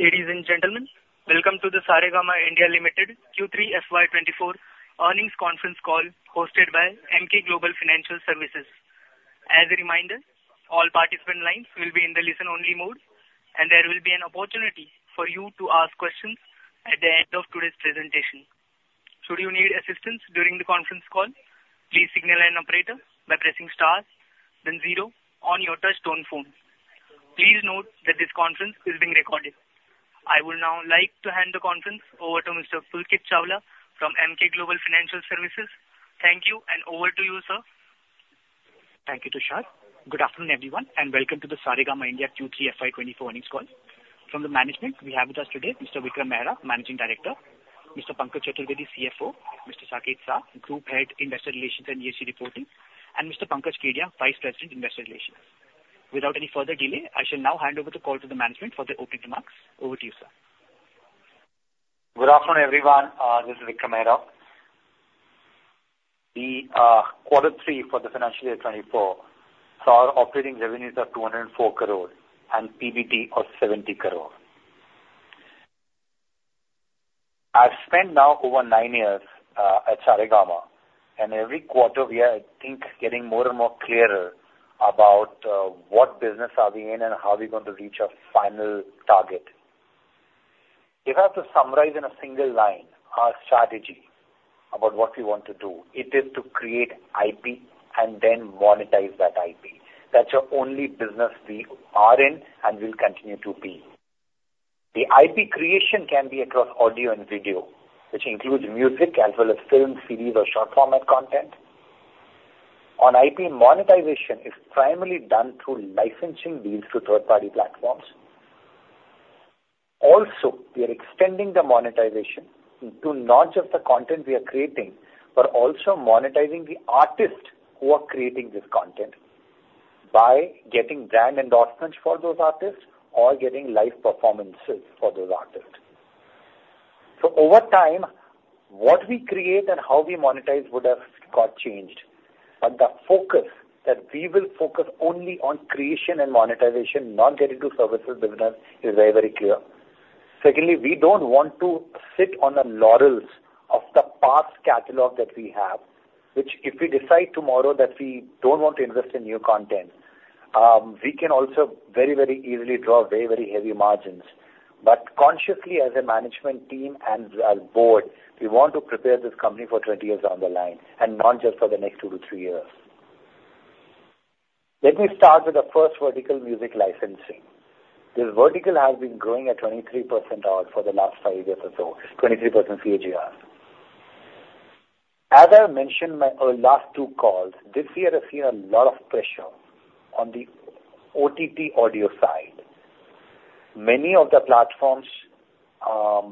Ladies and gentlemen, welcome to the Saregama India Limited Q3 FY2024 earnings Conference Call hosted by MK Global Financial Services. As a reminder, all participant lines will be in the listen-only mode, and there will be an opportunity for you to ask questions at the end of today's presentation. Should you need assistance during the conference call, please signal an operator by pressing * then 0 on your touch-tone phone. Please note that this conference is being recorded. I would now like to hand the conference over to Mr. Pulkit Chawla from MK Global Financial Services. Thank you, and over to you, sir. Thank you, Tushad. Good afternoon, everyone, and welcome to the Saregama India Q3 FY2024 earnings call. From the management, we have with us today Mr. Vikram Mehra, Managing Director, Mr. Pankaj Chaturvedi, CFO, Mr. Saket Sah, Group Head, Investor Relations and ESG Reporting, and Mr. Pankaj Kedia, Vice President, Investor Relations. Without any further delay, I shall now hand over the call to the management for their opening remarks. Over to you, sir. Good afternoon, everyone. This is Vikram Mehra. The quarter three for the financial year 2024, so our operating revenues are 204 crore, and PBT of 70 crore. I've spent now over nine years at Saregama, and every quarter we are, I think, getting more and more clearer about what business are we in and how we're going to reach our final target. If I have to summarize in a single line our strategy about what we want to do, it is to create IP and then monetize that IP. That's the only business we are in and will continue to be. The IP creation can be across audio and video, which includes music as well as film, series, or short-format content. On IP, monetization is primarily done through licensing deals to third-party platforms. Also, we are extending the monetization into not just the content we are creating but also monetizing the artists who are creating this content by getting brand endorsements for those artists or getting live performances for those artists. So over time, what we create and how we monetize would have got changed, but the focus that we will focus only on creation and monetization, not getting to services business, is very, very clear. Secondly, we don't want to sit on the laurels of the past catalog that we have, which if we decide tomorrow that we don't want to invest in new content, we can also very, very easily draw very, very heavy margins. But consciously, as a management team and as a board, we want to prepare this company for 20 years down the line and not just for the next two to three years. Let me start with the first vertical, music licensing. This vertical has been growing at 23% CAGR for the last 5 years or so, 23% CAGR. As I mentioned in my last two calls, this year I've seen a lot of pressure on the OTT audio side. Many of the platforms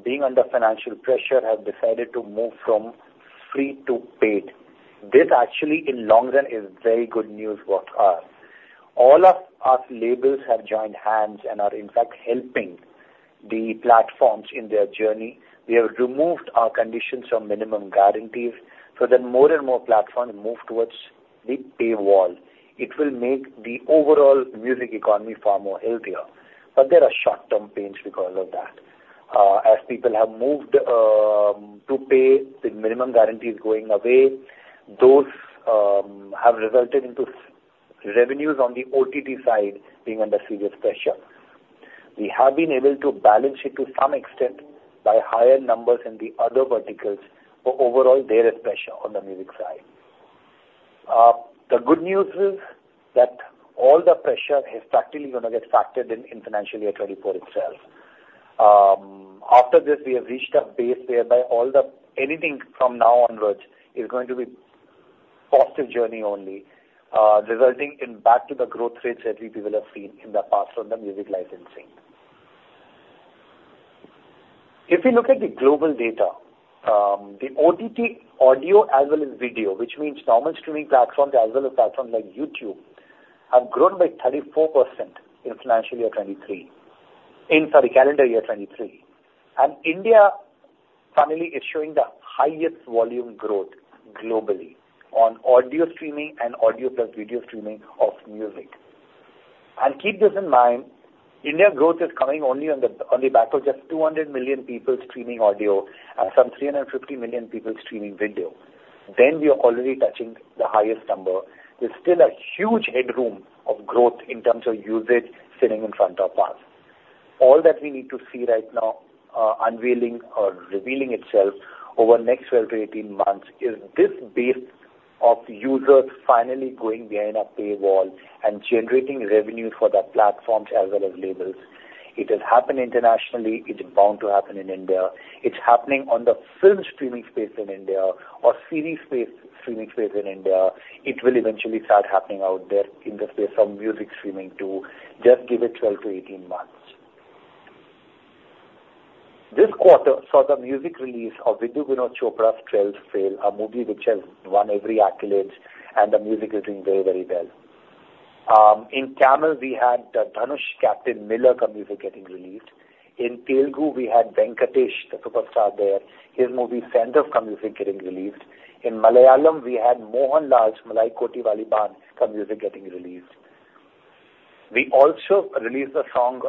being under financial pressure have decided to move from free to paid. This, actually, in long run, is very good news for us. All of us labels have joined hands and are, in fact, helping the platforms in their journey. We have removed our conditions of minimum guarantees so that more and more platforms move towards the paywall. It will make the overall music economy far more healthier, but there are short-term pains because of that. As people have moved to pay, the minimum guarantee is going away. Those have resulted into revenues on the OTT side being under serious pressure. We have been able to balance it to some extent by higher numbers in the other verticals, but overall, there is pressure on the music side. The good news is that all the pressure is practically going to get factored in in financial year 2024 itself. After this, we have reached a base whereby anything from now onwards is going to be a positive journey only, resulting back to the growth rates that we will have seen in the past on the music licensing. If you look at the global data, the OTT audio as well as video, which means normal streaming platforms as well as platforms like YouTube, have grown by 34% in calendar year 2023. India finally is showing the highest volume growth globally on audio streaming and audio plus video streaming of music. Keep this in mind, India growth is coming only on the back of just 200 million people streaming audio and some 350 million people streaming video. We are already touching the highest number. There's still a huge headroom of growth in terms of usage sitting in front of us. All that we need to see right now unveiling or revealing itself over the next 12-18 months is this base of users finally going behind a paywall and generating revenues for the platforms as well as labels. It has happened internationally. It's bound to happen in India. It's happening on the film streaming space in India or series space streaming space in India. It will eventually start happening out there in the space from music streaming too. Just give it 12-18 months. This quarter saw the music release of Vidhu Vinod Chopra's 12th Fail, a movie which has won every accolade, and the music is doing very, very well. In Tamil, we had Dhanush Captain Miller's music getting released. In Telugu, we had Venkatesh, the superstar there. His movie Saindhav's music getting released. In Malayalam, we had Mohanlal Malaikottai Vaaliban's music getting released. We also released a song,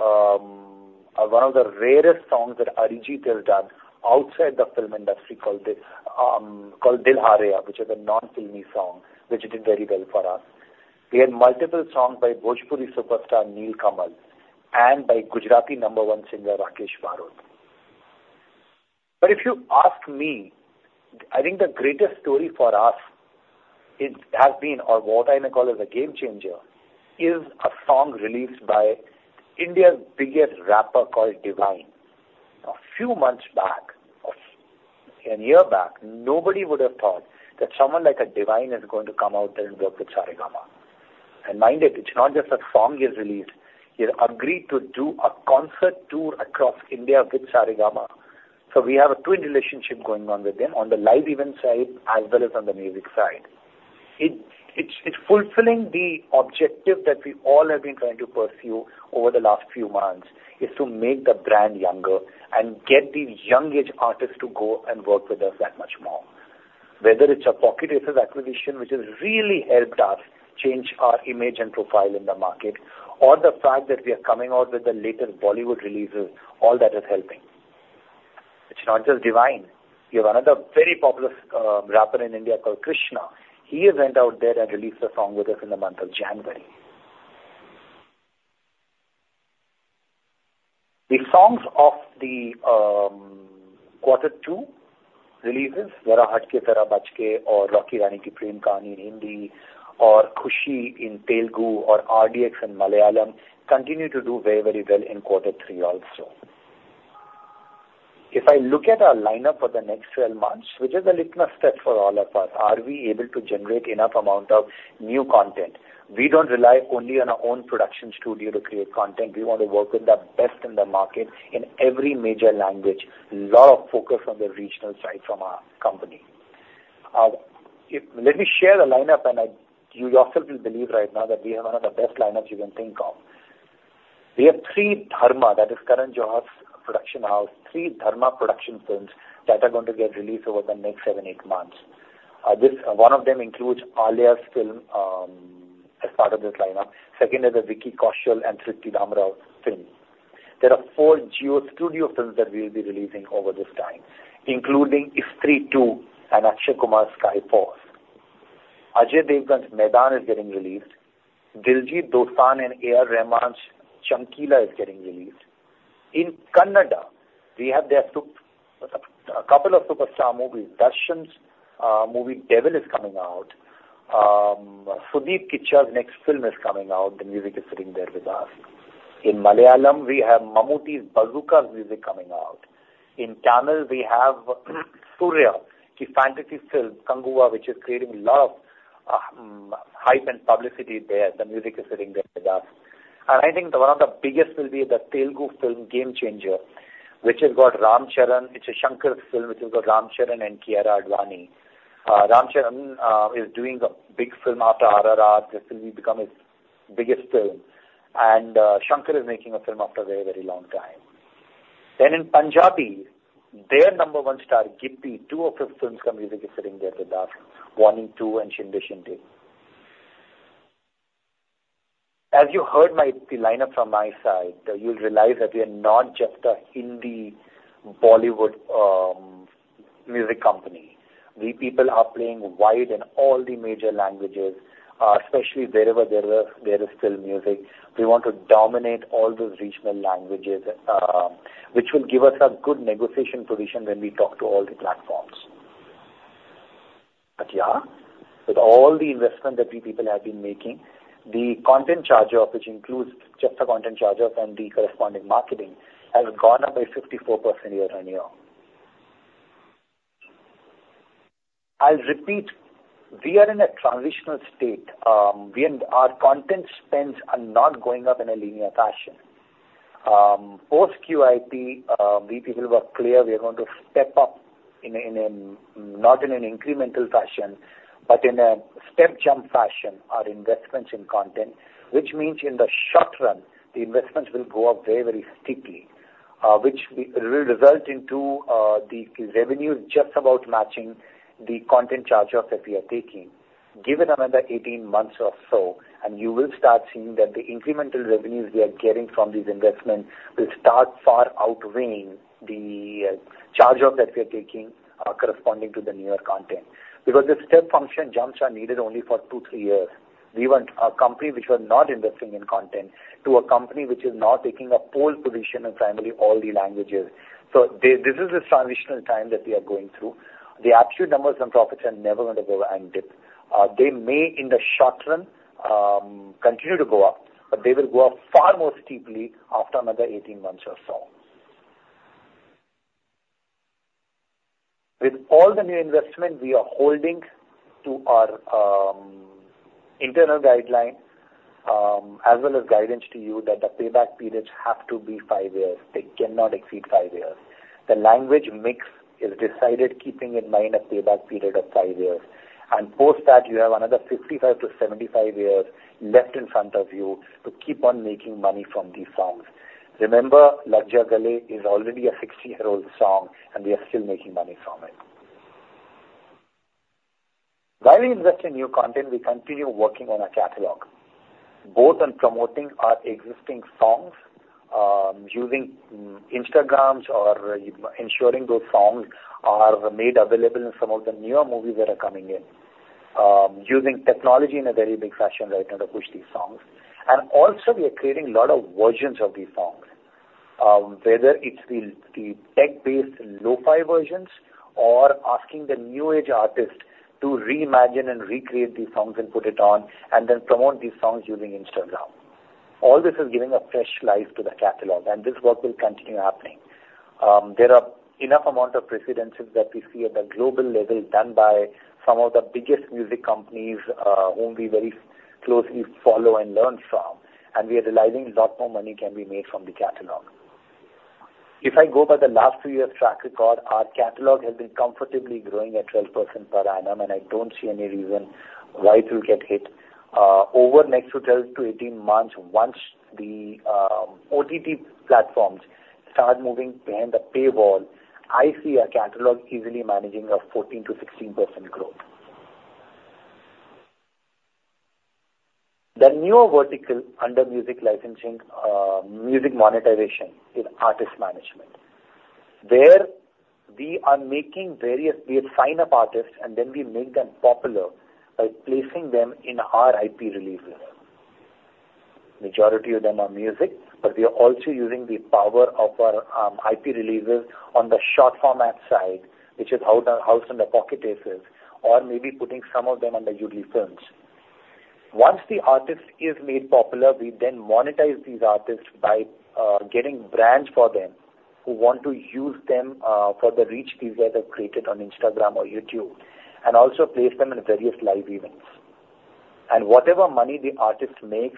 one of the rarest songs that Arijit has done outside the film industry called Dil Haraya, which is a non-filmy song, which did very well for us. We had multiple songs by Bhojpuri superstar Neelkamal and by Gujarati number one singer Rakesh Barot. But if you ask me, I think the greatest story for us has been, or what I now call is a game changer, is a song released by India's biggest rapper called Divine. A few months back, a year back, nobody would have thought that someone like a Divine is going to come out there and work with Saregama. And mind it, it's not just a song he has released. He has agreed to do a concert tour across India with Saregama. So we have a twin relationship going on with him on the live event side as well as on the music side. It's fulfilling the objective that we all have been trying to pursue over the last few months, is to make the brand younger and get these young-age artists to go and work with us that much more. Whether it's a Pocket Aces acquisition, which has really helped us change our image and profile in the market, or the fact that we are coming out with the latest Bollywood releases, all that is helping. It's not just Divine. We have another very popular rapper in India called Krsna. He has went out there and released a song with us in the month of January. The songs of the quarter two releases, Zara Hatke Zara Bachke, or Rocky Aur Rani Kii Prem Kahaani in Hindi, or Khushi in Telugu, or RDX in Malayalam, continue to do very, very well in quarter three also. If I look at our lineup for the next 12 months, which is a little bit of a step for all of us, are we able to generate enough amount of new content? We don't rely only on our own production studio to create content. We want to work with the best in the market in every major language. A lot of focus on the regional side from our company. Let me share the lineup, and you yourself will believe right now that we have one of the best lineups you can think of. We have three Dharma, that is Karan Johar's production house, three Dharma production films that are going to get released over the next 7-8 months. One of them includes Alia's film as part of this lineup. Second is a Vicky Kaushal and Sriti Dhamra film. There are four Geo Studios films that we will be releasing over this time, including Street 2 and Akshay Kumar's Sky Force. Ajay Devgn's Maidaan is getting released. Diljit Dosanjh and A.R. Rahman's Chamkila is getting released. In Kannada, we have a couple of superstar movies. Darshan's movie Devil is coming out. Sudeep Kiccha's next film is coming out. The music is sitting there with us. In Malayalam, we have Mammootty's Bazooka's music coming out. In Tamil, we have Suriya's fantasy film Kanguva, which is creating a lot of hype and publicity there. The music is sitting there with us. And I think one of the biggest will be the Telugu film Game Changer, which has got Ram Charan. It's a Shankar's film which has got Ram Charan and Kiara Advani. Ram Charan is doing a big film after RRR. This will become his biggest film, and Shankar is making a film after a very, very long time. Then in Punjabi, their number one star, Gippy, two of his films come out. Music is sitting there with us, Warning 2 and Shinda Shinda. As you heard the lineup from my side, you'll realize that we are not just a Hindi-Bollywood music company. We people are playing wide in all the major languages, especially wherever there is still music. We want to dominate all those regional languages, which will give us a good negotiation position when we talk to all the platforms. But yeah, with all the investment that we people have been making, the content charge, which includes just the content charge and the corresponding marketing, has gone up by 54% year-on-year. I'll repeat. We are in a transitional state. Our content spends are not going up in a linear fashion. Post-QIP, we people were clear we are going to step up, not in an incremental fashion but in a step-jump fashion, our investments in content, which means in the short run, the investments will go up very, very steeply, which will result in the revenues just about matching the content charges that we are taking given another 18 months or so. And you will start seeing that the incremental revenues we are getting from these investments will start far outweighing the charges that we are taking corresponding to the newer content because the step function jumps are needed only for two, three years. We want a company which was not investing in content to a company which is now taking a pole position in primarily all the languages. So this is the transitional time that we are going through. The absolute numbers and profits are never going to go and dip. They may, in the short run, continue to go up, but they will go up far more steeply after another 18 months or so. With all the new investment, we are holding to our internal guideline as well as guidance to you that the payback periods have to be five years. They cannot exceed five years. The language mix is decided, keeping in mind a payback period of five years. And post that, you have another 55-75 years left in front of you to keep on making money from these songs. Remember, Lag Ja Gale is already a 60-year-old song, and we are still making money from it. While we invest in new content, we continue working on our catalog, both in promoting our existing songs, using Instagram, or ensuring those songs are made available in some of the newer movies that are coming in, using technology in a very big fashion right now to push these songs. And also, we are creating a lot of versions of these songs, whether it's the tech-based lo-fi versions or asking the new-age artist to reimagine and recreate these songs and put it on and then promote these songs using Instagram. All this is giving a fresh life to the catalog, and this work will continue happening. There are enough amounts of precedents that we see at the global level done by some of the biggest music companies whom we very closely follow and learn from, and we are realizing a lot more money can be made from the catalog. If I go by the last two years' track record, our catalog has been comfortably growing at 12% per annum, and I don't see any reason why it will get hit. Over the next 12-18 months, once the OTT platforms start moving behind the paywall, I see a catalog easily managing a 14%-16% growth. The newer vertical under music licensing, music monetization, is artist management. There, we sign up various artists, and then we make them popular by placing them in our IP releases. The majority of them are music, but we are also using the power of our IP releases on the short-format side, which is housed in Pocket Aces, or maybe putting some of them under Yoodlee Films. Once the artist is made popular, we then monetize these artists by getting brands for them who want to use them for the reach these guys have created on Instagram or YouTube and also place them in various live events. Whatever money the artist makes,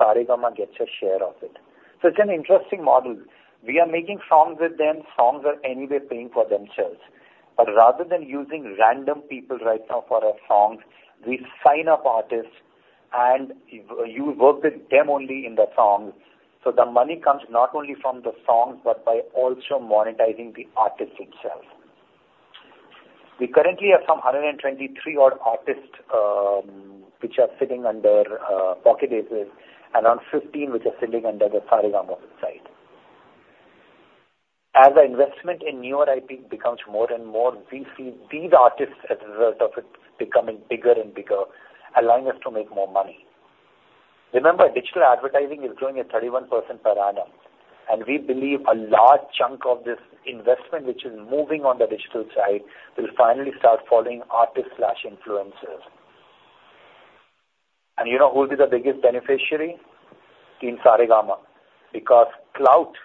Saregama gets a share of it. It's an interesting model. We are making songs with them. Songs are anyway paying for themselves. Rather than using random people right now for our songs, we sign up artists, and you work with them only in the songs. The money comes not only from the songs but by also monetizing the artists themselves. We currently have some 123-odd artists which are sitting under Pocket Aces and around 15 which are sitting under the Saregama website. As the investment in newer IP becomes more and more, we see these artists as a result of it becoming bigger and bigger, allowing us to make more money. Remember, digital advertising is growing at 31% per annum, and we believe a large chunk of this investment which is moving on the digital side will finally start following artists/influencers. You know who will be the biggest beneficiary? Team Saregama because Clout,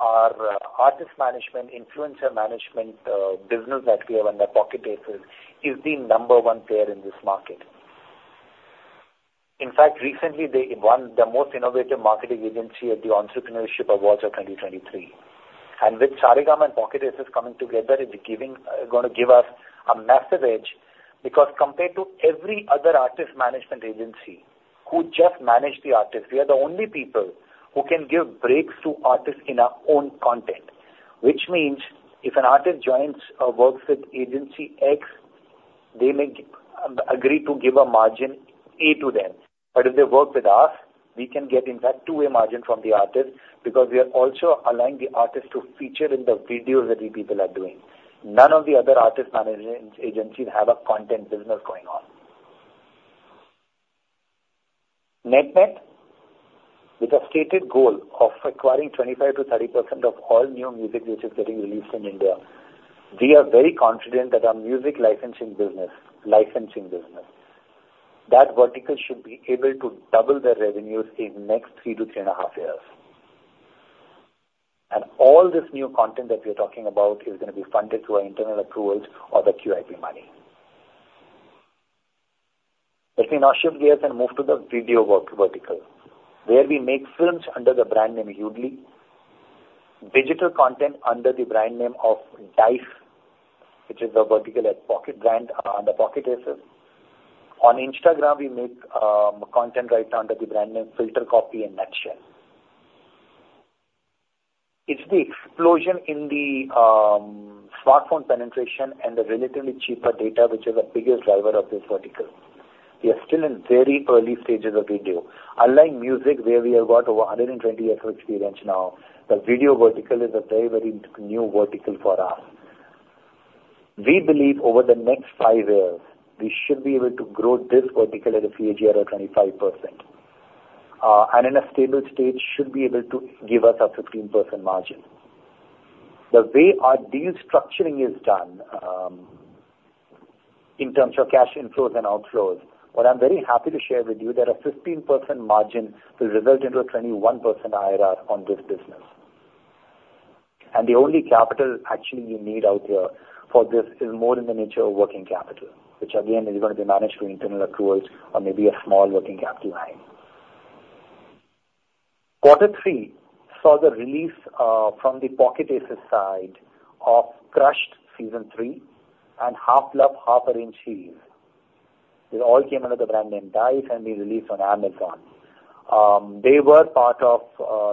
our artist management, influencer management business that we have under Pocket Aces, is the number one player in this market. In fact, recently, they won the most innovative marketing agency at the Entrepreneurship Awards of 2023. With Saregama and Pocket Aces coming together, it's going to give us a massive edge because compared to every other artist management agency who just managed the artists, we are the only people who can give breaks to artists in our own content, which means if an artist joins or works with Agency X, they may agree to give a margin A to them. But if they work with us, we can get, in fact, two-way margin from the artists because we are also allowing the artists to feature in the videos that we people are doing. None of the other artist management agencies have a content business going on. Net net, with a stated goal of acquiring 25%-30% of all new music which is getting released in India, we are very confident that our music licensing business. Licensing business. That vertical should be able to double their revenues in the next 3-3.5 years. And all this new content that we are talking about is going to be funded through our internal approvals or the QIP money. Let me now shift gears and move to the video vertical, where we make films under the brand name Yoodlee, digital content under the brand name of Dice, which is a vertical under Pocket Aces. On Instagram, we make content right now under the brand name FilterCopy and Nutshell. It's the explosion in the smartphone penetration and the relatively cheaper data, which is the biggest driver of this vertical. We are still in very early stages of video. Unlike music, where we have got over 120 years of experience now, the video vertical is a very, very new vertical for us. We believe over the next five years, we should be able to grow this vertical at a CAGR of 25% and in a stable state should be able to give us a 15% margin. The way our deal structuring is done in terms of cash inflows and outflows, what I'm very happy to share with you is that a 15% margin will result into a 21% IRR on this business. And the only capital actually you need out there for this is more in the nature of working capital, which again is going to be managed through internal approvals or maybe a small working capital line. Quarter three saw the release from the Pocket Aces side of Crushed Season three and Half Love Half Arranged. These all came under the brand name DICE and were released on Amazon. They were part of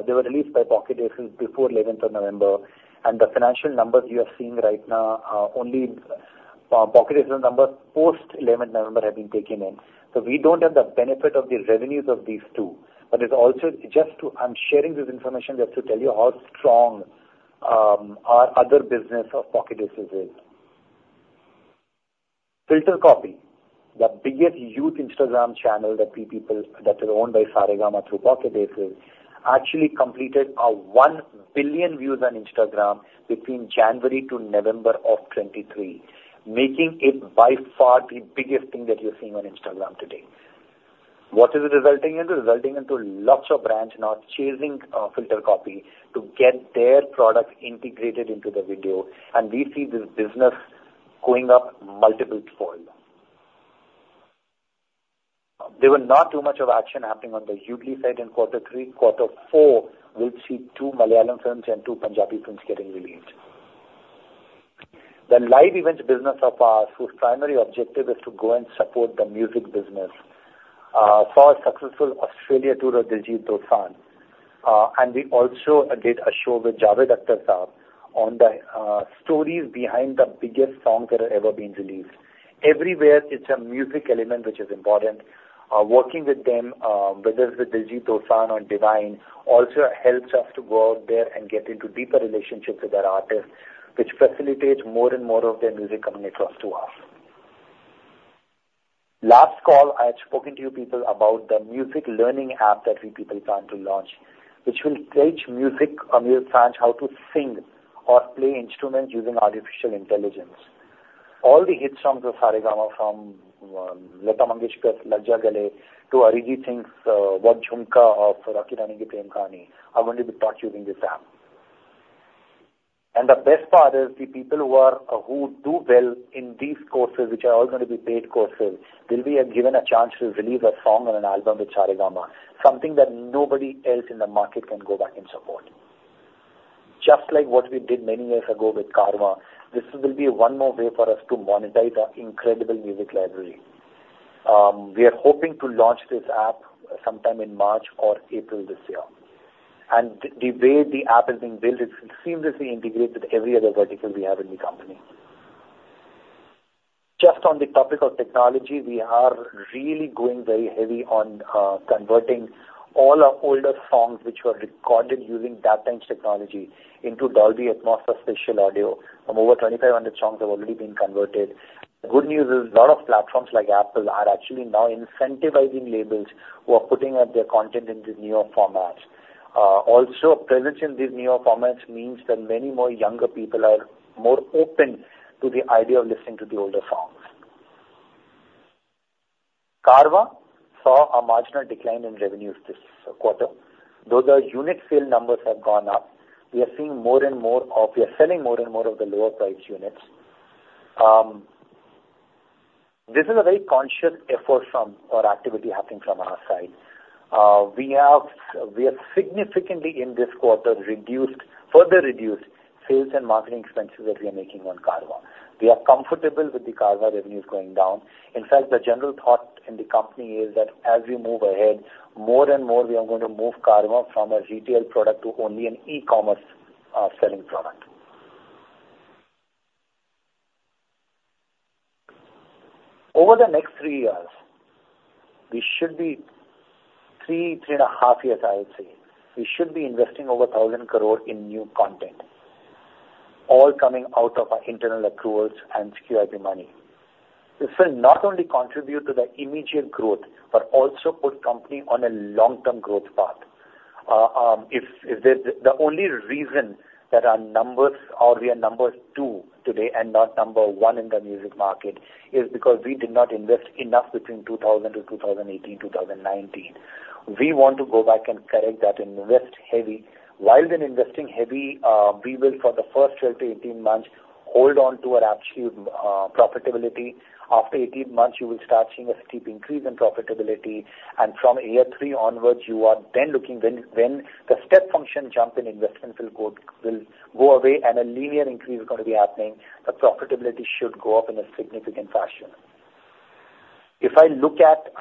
they were released by Pocket Aces before 11th of November, and the financial numbers you are seeing right now, only Pocket Aces numbers post-11th November have been taken in. So we don't have the benefit of the revenues of these two, but it's also just to, I'm sharing this information just to tell you how strong our other business of Pocket Aces is. FilterCopy, the biggest youth Instagram channel that we people that is owned by Saregama through Pocket Aces, actually completed 1 billion views on Instagram between January to November of 2023, making it by far the biggest thing that you're seeing on Instagram today. What is it resulting into? Resulting into lots of brands now chasing FilterCopy to get their products integrated into the video, and we see this business going up multiple fold. There were not too much of action happening on the Yoodlee side in Quarter three. Quarter four, we'll see two Malayalam films and two Punjabi films getting released. The live events business of us, whose primary objective is to go and support the music business, saw a successful Australia tour of Diljit Dosanjh, and we also did a show with Javed Akhtar Sahib on the stories behind the biggest songs that have ever been released. Everywhere, it's a music element which is important. Working with them, whether it's with Diljit Dosanjh or Divine, also helps us to go out there and get into deeper relationships with our artists, which facilitates more and more of their music coming across to us. Last call, I had spoken to you people about the music learning app that we people plan to launch, which will teach music fans how to sing or play instruments using artificial intelligence. All the hit songs of Saregama, from Lata Mangeshkar's Lag Ja Gale to Arijit Singh's Jhumka of Rocky Aur Rani Kii Prem Kahaani, are going to be taught using this app. The best part is the people who do well in these courses, which are all going to be paid courses, will be given a chance to release a song and an album with Saregama, something that nobody else in the market can go back and support. Just like what we did many years ago with Karma, this will be one more way for us to monetize our incredible music library. We are hoping to launch this app sometime in March or April this year. The way the app has been built, it's seamlessly integrated with every other vertical we have in the company. Just on the topic of technology, we are really going very heavy on converting all our older songs which were recorded using that-time's technology into Dolby Atmos for spatial audio. Over 2,500 songs have already been converted. The good news is a lot of platforms like Apple are actually now incentivizing labels who are putting out their content in these newer formats. Also, a presence in these newer formats means that many more younger people are more open to the idea of listening to the older songs. Carvaan saw a marginal decline in revenues this quarter. Though the unit sale numbers have gone up, we are seeing more and more of we are selling more and more of the lower-priced units. This is a very conscious effort or activity happening from our side. We have significantly, in this quarter, reduced further reduced sales and marketing expenses that we are making on Carvaan. We are comfortable with the Carvaan revenues going down. In fact, the general thought in the company is that as we move ahead, more and more we are going to move Carvaan from a retail product to only an e-commerce selling product. Over the next three years, we should be three, three and a half years, I would say, we should be investing over 1,000 crore in new content, all coming out of our internal approvals and QIP money. This will not only contribute to the immediate growth but also put the company on a long-term growth path. The only reason that our numbers or we are number two today and not number 1 in the music market is because we did not invest enough between 2000-2018, 2019. We want to go back and correct that and invest heavy. While we're investing heavy, we will, for the first 12-18 months, hold on to our absolute profitability. After 18 months, you will start seeing a steep increase in profitability. And from year three onwards, you are then looking when the step function jump in investment will go away and a linear increase is going to be happening, the profitability should go up in a significant fashion. If I look at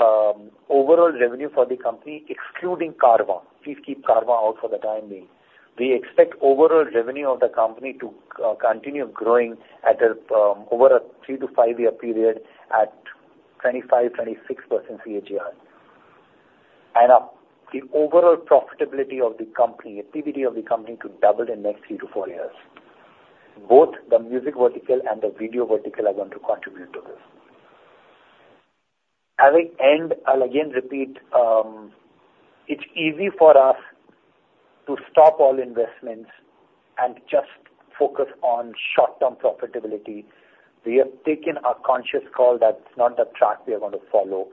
overall revenue for the company, excluding Carvaan please keep Carvaan out for the time being. We expect overall revenue of the company to continue growing over a 3-5-year period at 25%-26% CAGR and up. The overall profitability of the company, the PBD of the company, to double in the next 3-4 years. Both the music vertical and the video vertical are going to contribute to this. As I end, I'll again repeat, it's easy for us to stop all investments and just focus on short-term profitability. We have taken a conscious call that it's not the track we are going to follow.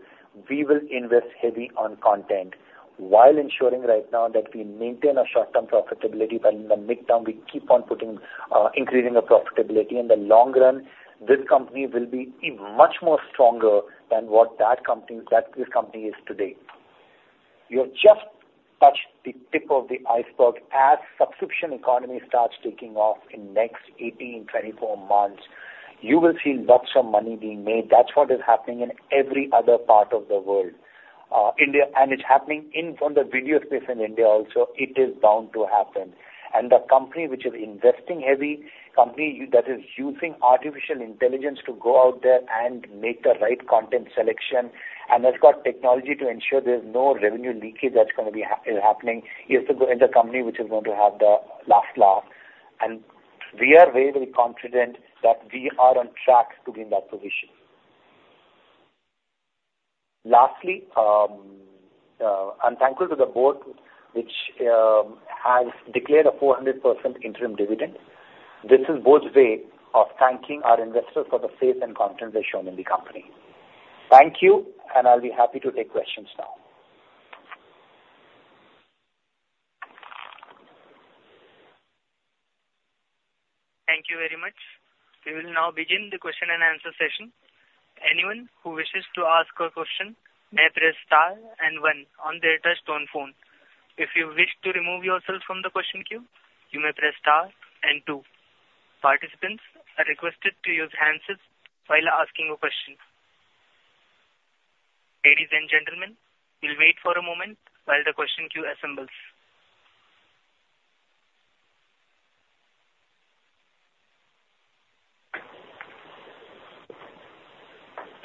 We will invest heavy on content while ensuring right now that we maintain our short-term profitability, but in the midterm, we keep on increasing our profitability. In the long run, this company will be much more stronger than what this company is today. You have just touched the tip of the iceberg. As subscription economy starts taking off in the next 18-24 months, you will see lots of money being made. That's what is happening in every other part of the world. It's happening in the video space in India also. It is bound to happen. The company which is investing heavy, company that is using artificial intelligence to go out there and make the right content selection and has got technology to ensure there's no revenue leakage that's going to be happening, is the company which is going to have the last laugh. We are very, very confident that we are on track to be in that position. Lastly, I'm thankful to the board which has declared a 400% interim dividend. This is both ways of thanking our investors for the faith and confidence they've shown in the company. Thank you, and I'll be happy to take questions now. Thank you very much. We will now begin the question-and-answer session. Anyone who wishes to ask a question may press star and one on their touch-tone phone. If you wish to remove yourself from the question queue, you may Press Star and two. Participants are requested to use hands-free while asking a question. Ladies and gentlemen, we'll wait for a moment while the question queue assembles.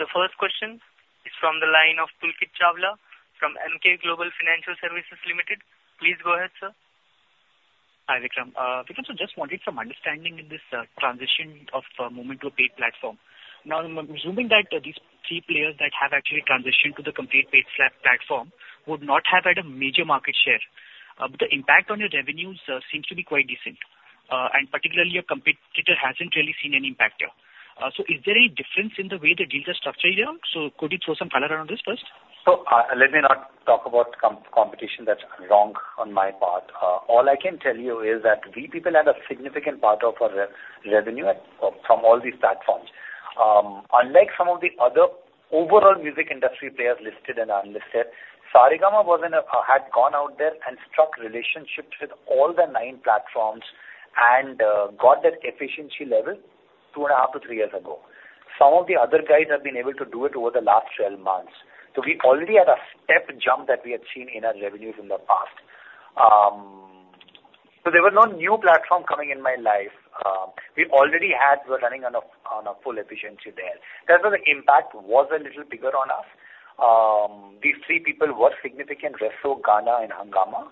The first question is from the line of Pulkit Chawla from Emkay Global Financial Services Limited. Please go ahead, sir. Hi Vikram. Vikram, so just wanted some understanding in this transition of moving to a paid platform. Now, I'm assuming that these three players that have actually transitioned to the complete paid platform would not have had a major market share. The impact on your revenues seems to be quite decent, and particularly, your competitor hasn't really seen any impact here. So is there any difference in the way the deals are structured here? So could you throw some color on this first? So let me not talk about competition. That's wrong on my part. All I can tell you is that we people had a significant part of our revenue from all these platforms. Unlike some of the other overall music industry players listed and unlisted, Saregama had gone out there and struck relationships with all the nine platforms and got that efficiency level 2.5-3 years ago. Some of the other guys have been able to do it over the last 12 months. So we already had a step jump that we had seen in our revenues in the past. So there was no new platform coming in my life. We already had were running on a full efficiency there. That's why the impact was a little bigger on us. These three people were significant: Resso, Gaana, and Hungama.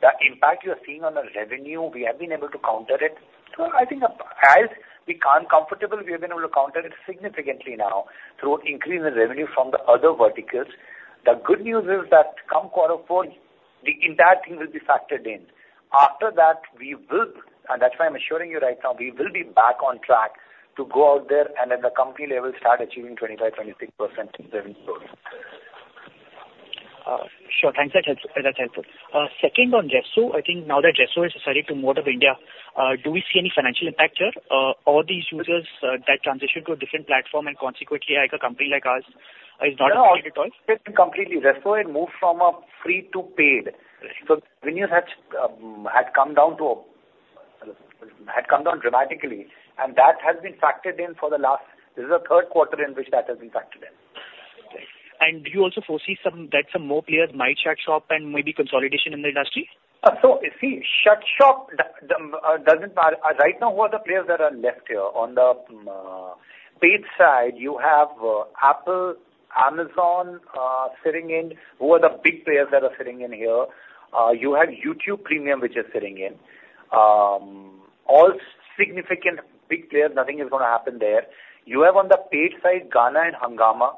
The impact you are seeing on the revenue, we have been able to counter it. So I think as we become comfortable, we are going to be able to counter it significantly now through an increase in revenue from the other verticals. The good news is that come Quarter four, the entire thing will be factored in. After that, we will and that's why I'm assuring you right now, we will be back on track to go out there and at the company level, start achieving 25%-26% revenue growth. Sure. Thanks. That's helpful. Second on Resso, I think now that Resso has exited the market of India, do we see any financial impact here? All these users that transitioned to a different platform and consequently, a company like ours is not affected at all? No, it's been completely. Resso had moved from a free to paid. So the revenues had come down dramatically, and that has been factored in. This is the third quarter in which that has been factored in. Do you also foresee that some more players might shut shop and maybe consolidation in the industry? So see, shut shop doesn't matter. Right now, who are the players that are left here? On the paid side, you have Apple, Amazon sitting in. Who are the big players that are sitting in here? You have YouTube Premium, which is sitting in. All significant big players. Nothing is going to happen there. You have on the paid side, Gaana and Hangama.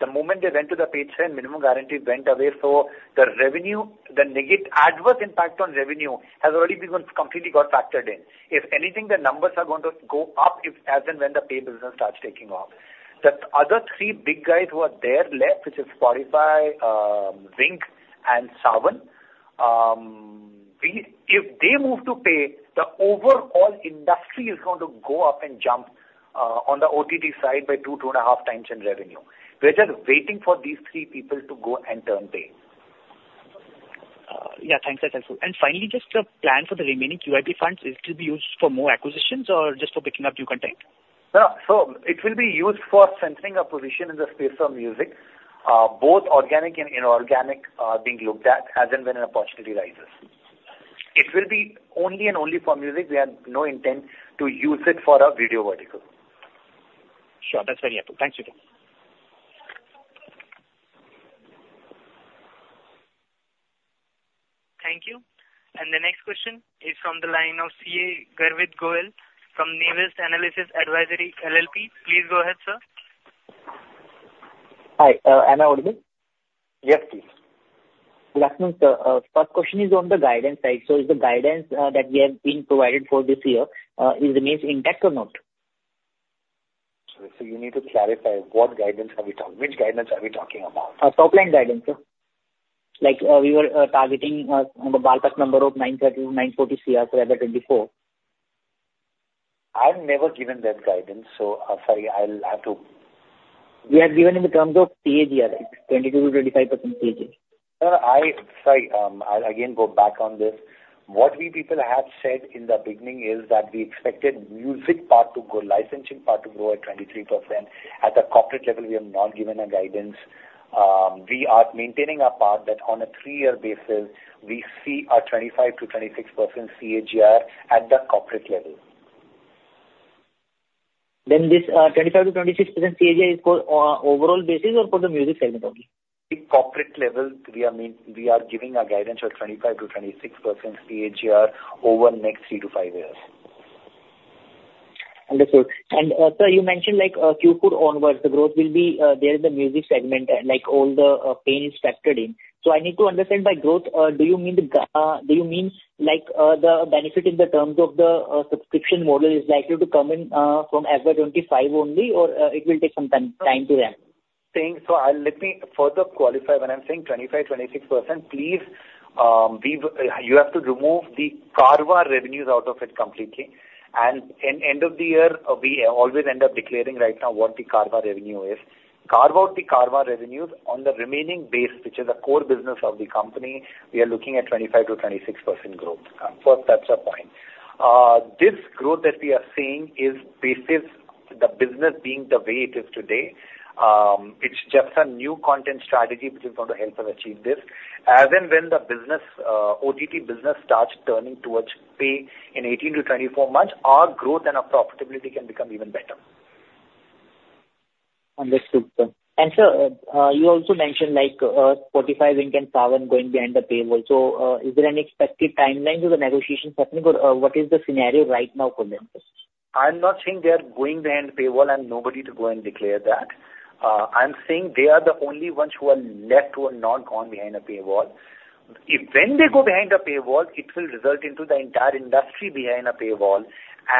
The moment they went to the paid side, minimum guarantee went away. So the negative adverse impact on revenue has already been completely got factored in. If anything, the numbers are going to go up as and when the pay business starts taking off. The other three big guys who are there left, which is Spotify, Wynk, and Saavn, if they move to pay, the overall industry is going to go up and jump on the OTT side by 2-2.5x in revenue. We're just waiting for these three people to go and turn pay. Yeah. Thanks. That's helpful. Finally, just the plan for the remaining QIP funds, is it to be used for more acquisitions or just for picking up new content? No. So it will be used for centering a position in the space of music, both organic and inorganic being looked at as and when an opportunity rises. It will be only and only for music. We have no intent to use it for our video vertical. Sure. That's very helpful. Thanks, Vikram. Thank you. The next question is from the line of CA Garvit Gohil from Navis Analysis Advisory LLP. Please go ahead, sir. Hi. Am I audible? Yes, please. Last month, first question is on the guidance side. So is the guidance that we have been provided for this year, is the means intact or not? Sorry. So you need to clarify. What guidance are we talking? Which guidance are we talking about? Top-line guidance, sir. We were targeting the ballpark number of 930 crore-940 crore for FY2024. I've never given that guidance, so sorry. I'll have to. We have given in the terms of CAGR. It's 22%-25% CAGR. Sorry. I'll again go back on this. What we people have said in the beginning is that we expected music part to grow, licensing part to grow at 23%. At the corporate level, we have not given a guidance. We are maintaining our part that on a three-year basis, we see our 25%-26% CAGR at the corporate level. Then this 25%-26% CAGR is for overall basis or for the music segment only? Corporate level, we are giving a guidance of 25%-26% CAGR over the next three to five years. Understood. Sir, you mentioned Q4 onwards, the growth will be there in the music segment, all the pay is factored in. So I need to understand by growth, do you mean the do you mean the benefit in the terms of the subscription model is likely to come in from FY2025 only or it will take some time to ramp? So let me further qualify. When I'm saying 25%-26%, please, you have to remove the Carvaan revenues out of it completely. And end of the year, we always end up declaring right now what the Carvaan revenue is. Carve out the Carvaan revenues on the remaining base, which is the core business of the company. We are looking at 25%-26% growth. First, that's a point. This growth that we are seeing is basically the business being the way it is today. It's just a new content strategy which is going to help us achieve this. As and when the business OTT business starts turning towards pay in 18-24 months, our growth and our profitability can become even better. Understood, sir. Sir, you also mentioned Spotify, Zinc, and Saavn going behind the paywall. Is there any expected timeline to the negotiations happening or what is the scenario right now for them? I'm not saying they are going behind the paywall and nobody to go and declare that. I'm saying they are the only ones who are left who are not gone behind a paywall. When they go behind a paywall, it will result into the entire industry behind a paywall,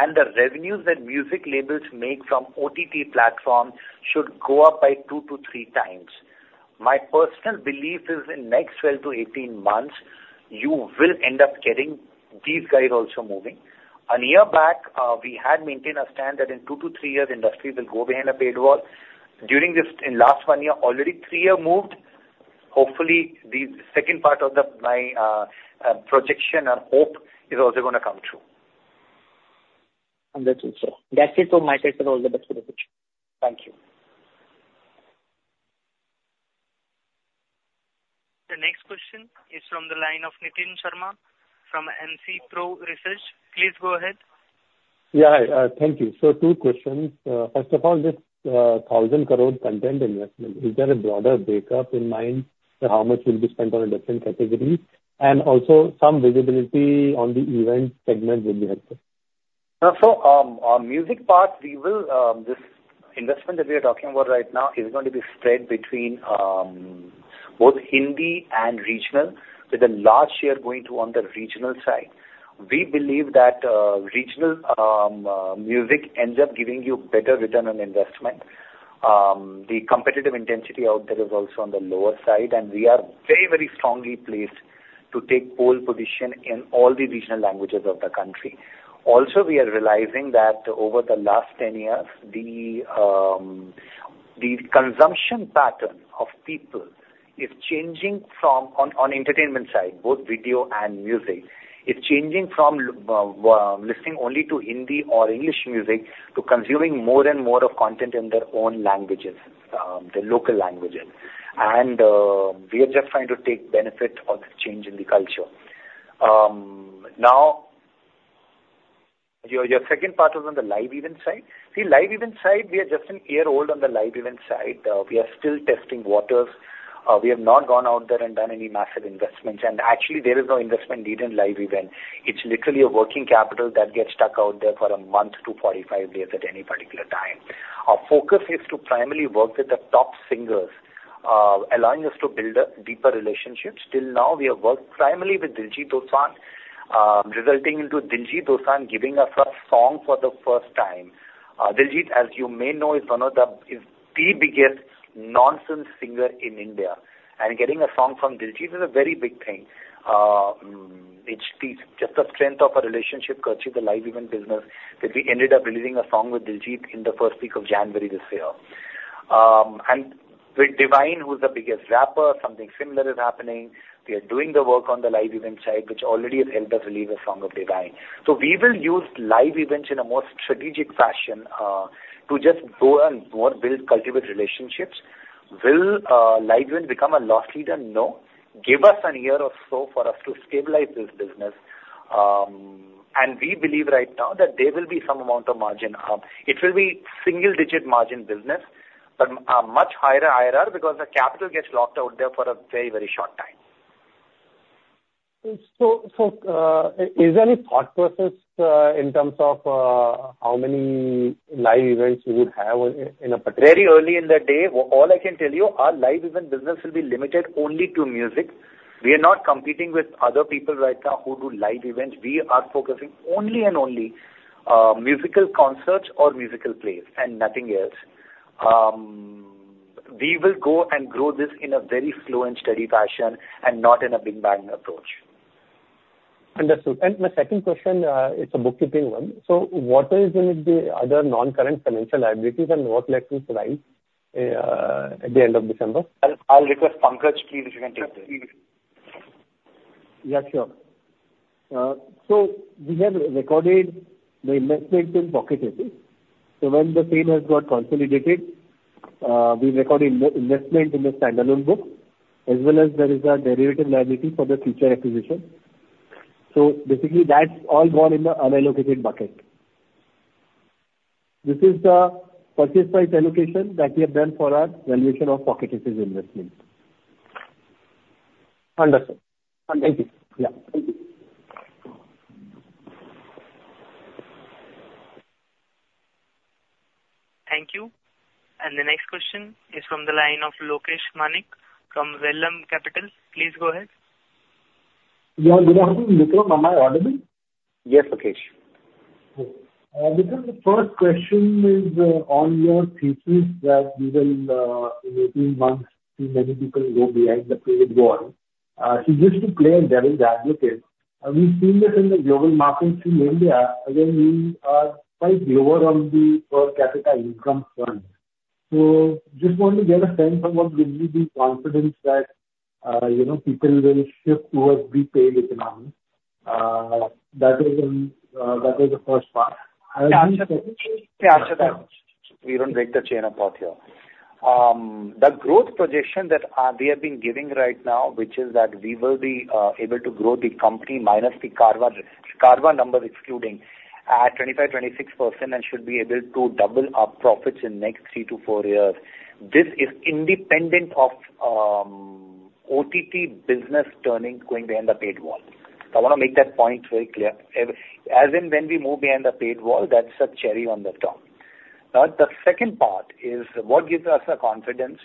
and the revenues that music labels make from OTT platform should go up by 2-3x. My personal belief is in the next 12-18 months, you will end up getting these guys also moving. A year back, we had maintained a stand that in two to three years, industry will go behind a paywall. During this in the last one year, already three years moved. Hopefully, the second part of my projection and hope is also going to come true. Understood, sir. That's it from my side for all the best for the future. Thank you. The next question is from the line of Nitin Sharma from MC Pro Research. Please go ahead. Yeah. Hi. Thank you. So two questions. First of all, this 1,000 crore content investment, is there a broader breakup in mind for how much will be spent on a different category? And also, some visibility on the event segment would be helpful. So our music part, this investment that we are talking about right now is going to be spread between both Hindi and regional, with the large share going to on the regional side. We believe that regional music ends up giving you better return on investment. The competitive intensity out there is also on the lower side, and we are very, very strongly placed to take pole position in all the regional languages of the country. Also, we are realizing that over the last 10 years, the consumption pattern of people is changing from on entertainment side, both video and music, is changing from listening only to Hindi or English music to consuming more and more of content in their own languages, their local languages. And we are just trying to take benefit of the change in the culture. Now, your second part was on the live event side. See, live event side, we are just a year old on the live event side. We are still testing waters. We have not gone out there and done any massive investments. And actually, there is no investment needed in live event. It's literally a working capital that gets stuck out there for a month to 45 days at any particular time. Our focus is to primarily work with the top singers, allowing us to build deeper relationships. Till now, we have worked primarily with Diljit Dosanjh, resulting into Diljit Dosanjh giving us a song for the first time. Diljit, as you may know, is one of the biggest Punjabi singers in India. And getting a song from Diljit is a very big thing. It speaks to the strength of a relationship, especially the live event business, that we ended up releasing a song with Diljit in the first week of January this year. And with Divine, who's the biggest rapper, something similar is happening. We are doing the work on the live event side, which already has helped us release a song of Divine. So we will use live events in a more strategic fashion to just go and more build, cultivate relationships. Will live events become a loss leader? No. Give us a year or so for us to stabilize this business. And we believe right now that there will be some amount of margin up. It will be single-digit margin business, but much higher IRR because the capital gets locked out there for a very, very short time. Is there any thought process in terms of how many live events you would have in a particular? Very early in the day, all I can tell you, our live event business will be limited only to music. We are not competing with other people right now who do live events. We are focusing only and only on musical concerts or musical plays and nothing else. We will go and grow this in a very slow and steady fashion and not in a big bang approach. Understood. My second question, it's a bookkeeping one. What are going to be the other non-current financial liabilities, and what lets us rise at the end of December? I'll request Pankaj, please, if you can take this. Yeah. Sure. So we have recorded the investment in Pocket Aces. So when Saregama has got consolidated, we've recorded investment in the standalone book, as well as there is a derivative liability for the future acquisition. So basically, that's all gone in the unallocated bucket. This is the purchase price allocation that we have done for our valuation of Pocket Aces investment. Understood. Thank you. Thank you. The next question is from the line of Lokesh Maru from Vallum Capital. Please go ahead. Yeah. Did I have to look up on my Audible? Yes, Lokesh. Vikram, the first question is on your thesis that we will in 18 months see many people go behind the paywall. He used to play a devil's advocate. We've seen this in the global markets in India. Again, we are quite lower on the per capita income fund. So just want to get a sense of what gives you the confidence that people will shift towards the pay economy. That was the first part. And the second. We don't break the chain of thought here. The growth projection that we have been giving right now, which is that we will be able to grow the company minus the Carvaan numbers excluding, at 25%-26% and should be able to double our profits in the next three to four years. This is independent of OTT business turning going behind the paywall. So I want to make that point very clear. As in when we move behind the paywall, that's a cherry on the top. Now, the second part is what gives us the confidence?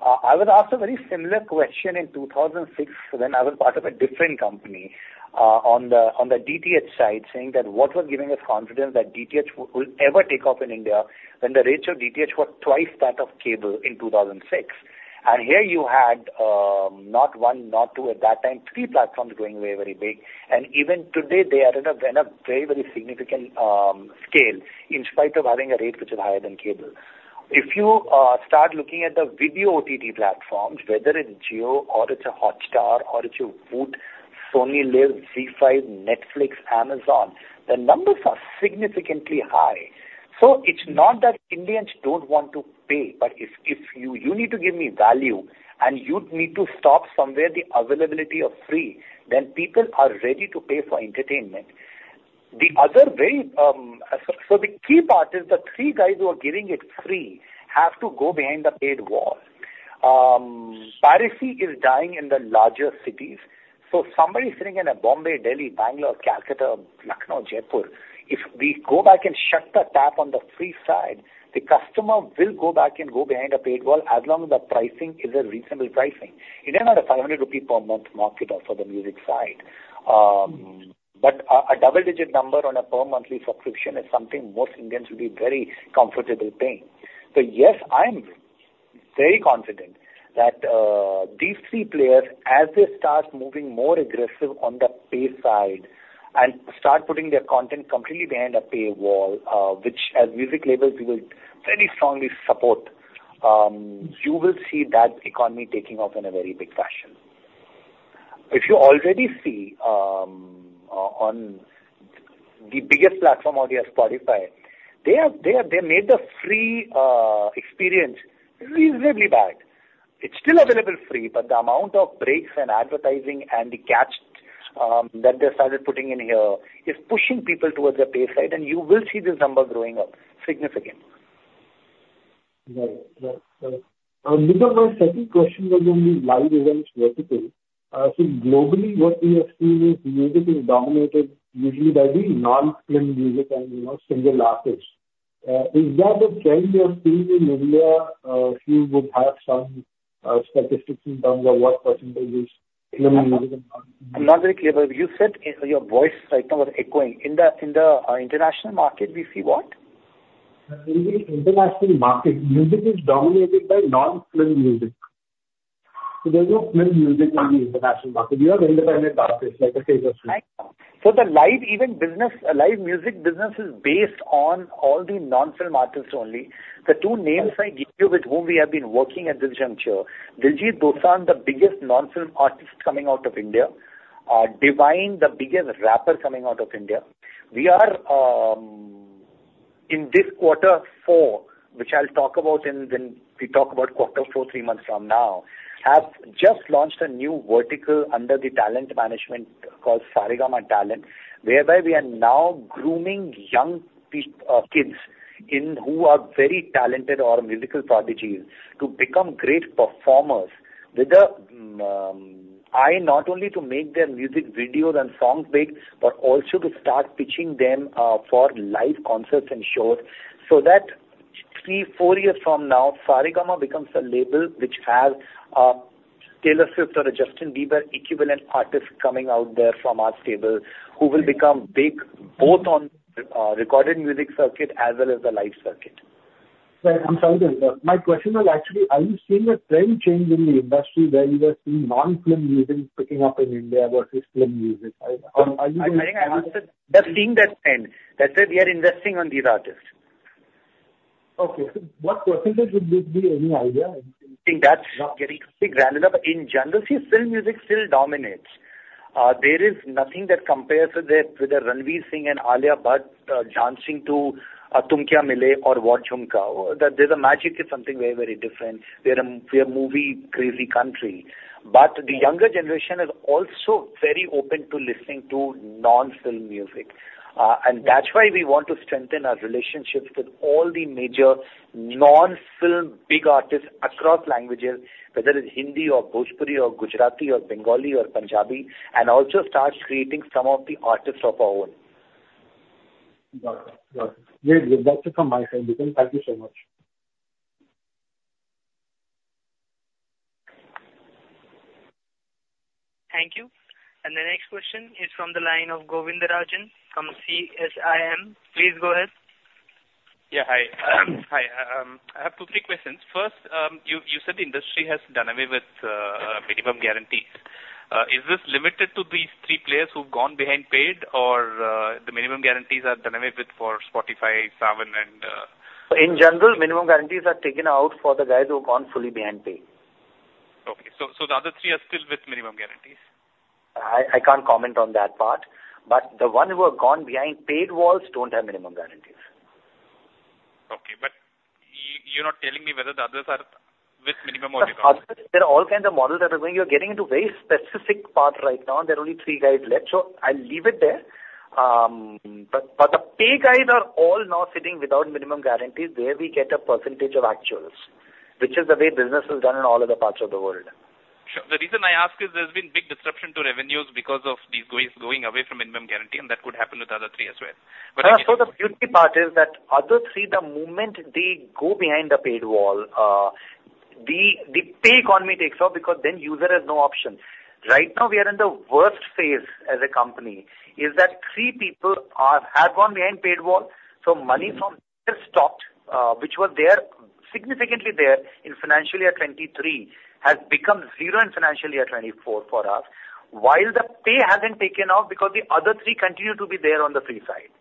I was asked a very similar question in 2006 when I was part of a different company on the DTH side, saying that what was giving us confidence that DTH will ever take off in India when the rates of DTH were twice that of cable in 2006? And here you had not one, not two, at that time, three platforms going very, very big. And even today, they are at a very, very significant scale in spite of having a rate which is higher than cable. If you start looking at the video OTT platforms, whether it's Jio or it's Hotstar or it's Voot, SonyLIV, Zee5, Netflix, Amazon, the numbers are significantly high. So it's not that Indians don't want to pay, but if you need to give me value and you'd need to stop somewhere the availability of free, then people are ready to pay for entertainment. The other very so the key part is the three guys who are giving it free have to go behind the paywall. Piracy is dying in the larger cities. So somebody sitting in Mumbai, Delhi, Bangalore, Kolkata, Lucknow, Jaipur, if we go back and shut the tap on the free side, the customer will go back and go behind the paywall as long as the pricing is a reasonable pricing. India's not a 500 rupee per month market for the music side. But a double-digit number on a per-monthly subscription is something most Indians will be very comfortable paying. So yes, I'm very confident that these three players, as they start moving more aggressive on the pay side and start putting their content completely behind a paywall, which as music labels, we will very strongly support, you will see that economy taking off in a very big fashion. If you already see on the biggest platform, Spotify, they made the free experience reasonably bad. It's still available free, but the amount of breaks and advertising and the catch that they started putting in here is pushing people towards the pay side, and you will see this number growing up significantly. Right. Right. Right. Mika, my second question was on the live events vertical. So globally, what we have seen is music is dominated usually by the non-film music and single artists. Is that a trend we are seeing in India if you would have some statistics in terms of what percentage is film music and non-film music? I'm not very clear. But you said your voice right now was echoing. In the international market, we see what? In the international market, music is dominated by non-film music. So there's no film music in the international market. You have independent artists, like a Taylor Swift. The live event business, live music business is based on all the non-film artists only. The two names I gave you with whom we have been working at this juncture, Diljit Dosanjh, the biggest non-film artist coming out of India, Divine, the biggest rapper coming out of India, we are in this quarter four, which I'll talk about when we talk about quarter four, three months from now, have just launched a new vertical under the talent management called Saregama Talent, whereby we are now grooming young kids who are very talented or musical prodigies to become great performers with the eye not only to make their music videos and songs big, but also to start pitching them for live concerts and shows so that three to four years from now, Saregama becomes a label which has a Taylor Swift or a Justin Bieber equivalent artist coming out there from our table who will become big both on the recorded music circuit as well as the live circuit. Right. I'm sorry to interrupt. My question was actually, are you seeing a trend change in the industry where you are seeing non-film music picking up in India versus film music? Are you? I think I just said we are seeing that trend. That's it. We are investing in these artists. Okay. What percentage would this be? Any idea? I think that's not getting too grand enough. In general, see, film music still dominates. There is nothing that compares with Ranveer Singh and Alia Bhatt dancing to Tum Kya Mile or What Jhumka. The magic is something very, very different. We are a movie-crazy country. But the younger generation is also very open to listening to non-film music. And that's why we want to strengthen our relationships with all the major non-film big artists across languages, whether it's Hindi or Bhojpuri or Gujarati or Bengali or Punjabi, and also start creating some of the artists of our own. Got it. Got it. Great. That's it from my side, Vikram. Thank you so much. Thank you. The next question is from the line of Govindarajan from CSIM. Please go ahead. Yeah. Hi. Hi. I have two or three questions. First, you said the industry has done away with minimum guarantees. Is this limited to these three players who've gone behind paid, or the minimum guarantees are done away with for Spotify, Saavn, and? In general, Minimum Guarantees are taken out for the guys who've gone fully behind paid. Okay. So the other three are still with minimum guarantees? I can't comment on that part. But the ones who have gone behind paywalls don't have minimum guarantees. Okay. But you're not telling me whether the others are with minimum or without? There are all kinds of models that are going. You're getting into a very specific part right now, and there are only three guys left. So I'll leave it there. But the pay guys are all now sitting without minimum guarantees. There, we get a percentage of actuals, which is the way business is done in all other parts of the world. Sure. The reason I ask is there's been big disruption to revenues because of these guys going away from minimum guarantee, and that could happen with the other three as well. But I guess. So the beauty part is that other three, the moment they go behind the paywall, the paid economy takes off because then user has no option. Right now, we are in the worst phase as a company is that three people have gone behind paywall, so money from there stopped, which was significantly there in financial year 2023, has become zero in financial year 2024 for us, while the paid hasn't taken off because the other three continue to be there on the free side.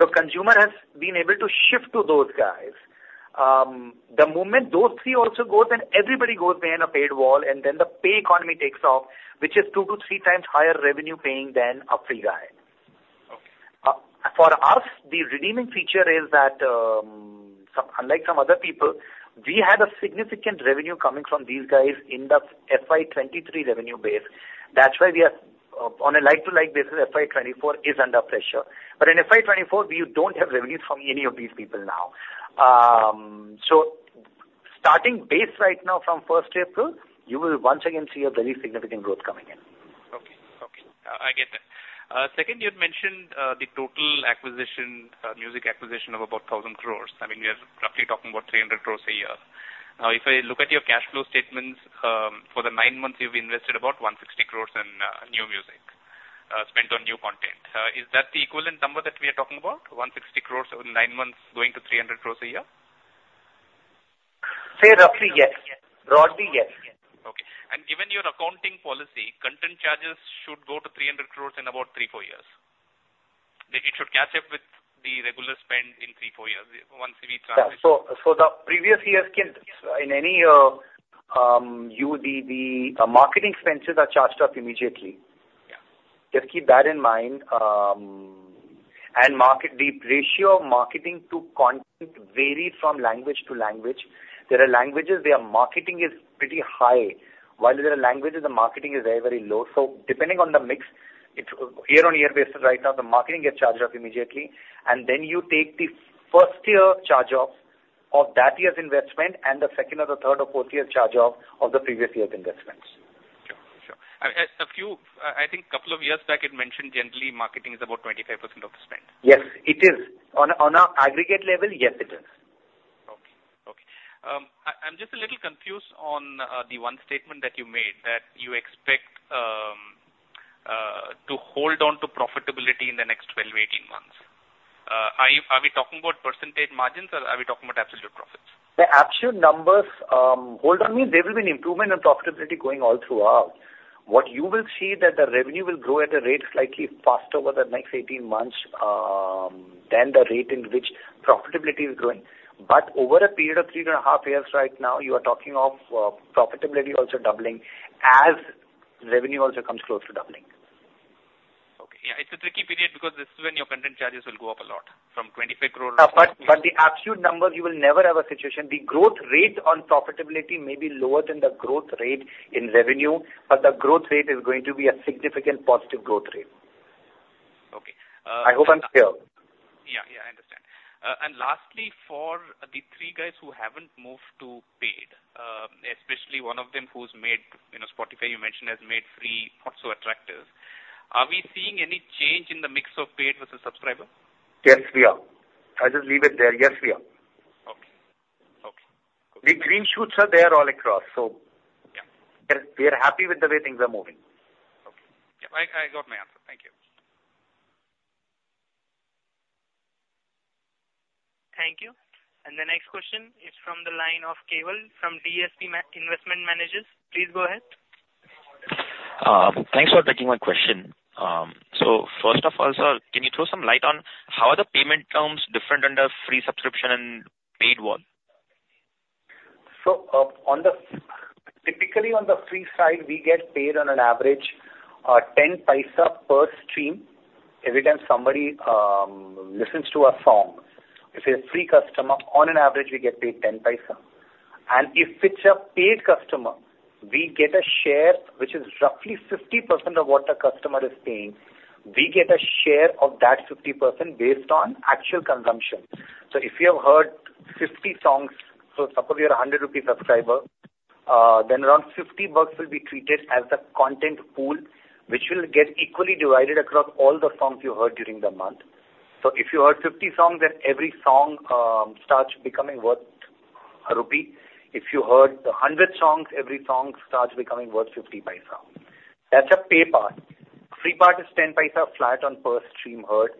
So consumer has been able to shift to those guys. The moment those three also go, then everybody goes behind a paywall, and then the paid economy takes off, which is 2-3x higher revenue paying than a free guy. For us, the redeeming feature is that unlike some other people, we had a significant revenue coming from these guys in the FY 2023 revenue base. That's why we are on a like-to-like basis. FY 2024 is under pressure. But in FY 2024, you don't have revenues from any of these people now. So starting base right now from 1st April, you will once again see a very significant growth coming in. Okay. Okay. I get that. Second, you'd mentioned the total music acquisition of about 1,000 crore. I mean, we are roughly talking about 300 crore a year. Now, if I look at your cash flow statements, for the nine months, you've invested about 160 crore in new music spent on new content. Is that the equivalent number that we are talking about, 160 crore in nine months going to 300 crore a year? Say roughly, yes. Broadly, yes. Okay. Given your accounting policy, content charges should go to 300 crore in about 3-4 years. It should catch up with the regular spend in 3-4 years once we transition. Yeah. So the previous years, in any year, marketing expenses are charged up immediately. Just keep that in mind. And the ratio of marketing to content varies from language to language. There are languages where marketing is pretty high, while in other languages, the marketing is very, very low. So depending on the mix, year-on-year basis right now, the marketing gets charged up immediately. And then you take the first-year charge-off of that year's investment and the second or the third or fourth-year charge-off of the previous year's investments. Sure. Sure. I think a couple of years back, you'd mentioned generally marketing is about 25% of the spend. Yes, it is. On an aggregate level, yes, it is. Okay. Okay. I'm just a little confused on the one statement that you made that you expect to hold on to profitability in the next 12-18 months. Are we talking about percentage margins, or are we talking about absolute profits? The absolute numbers hold on. I mean, there will be an improvement in profitability going all throughout. What you will see is that the revenue will grow at a rate slightly faster over the next 18 months than the rate in which profitability is growing. But over a period of 3.5 years right now, you are talking of profitability also doubling as revenue also comes close to doubling. Okay. Yeah. It's a tricky period because this is when your content charges will go up a lot from 25 crore to. Yeah. The absolute numbers, you will never have a situation. The growth rate on profitability may be lower than the growth rate in revenue, but the growth rate is going to be a significant positive growth rate. Okay. I hope I'm clear. Yeah. Yeah. I understand. And lastly, for the three guys who haven't moved to paid, especially one of them who's made Spotify, you mentioned, has made free not so attractive, are we seeing any change in the mix of paid versus subscriber? Yes, we are. I'll just leave it there. Yes, we are. Okay. Okay. Okay. The green shoots are there all across, so we are happy with the way things are moving. Okay. Yeah. I got my answer. Thank you. Thank you. The next question is from the line of Keval from DSP Investment Managers. Please go ahead. Thanks for taking my question. So first of all, sir, can you throw some light on how are the payment terms different under free subscription and paywall? So typically, on the free side, we get paid on an average 0.10 per stream every time somebody listens to a song. If it's a free customer, on an average, we get paid 0.10. And if it's a paid customer, we get a share which is roughly 50% of what the customer is paying. We get a share of that 50% based on actual consumption. So if you have heard 50 songs so suppose you're a 100 rupee subscriber, then around INR 50 will be treated as the content pool, which will get equally divided across all the songs you heard during the month. So if you heard 50 songs, then every song starts becoming worth INR 1. If you heard 100 songs, every song starts becoming worth 0.50. That's a pay part. Free part is 0.10 flat on per stream heard.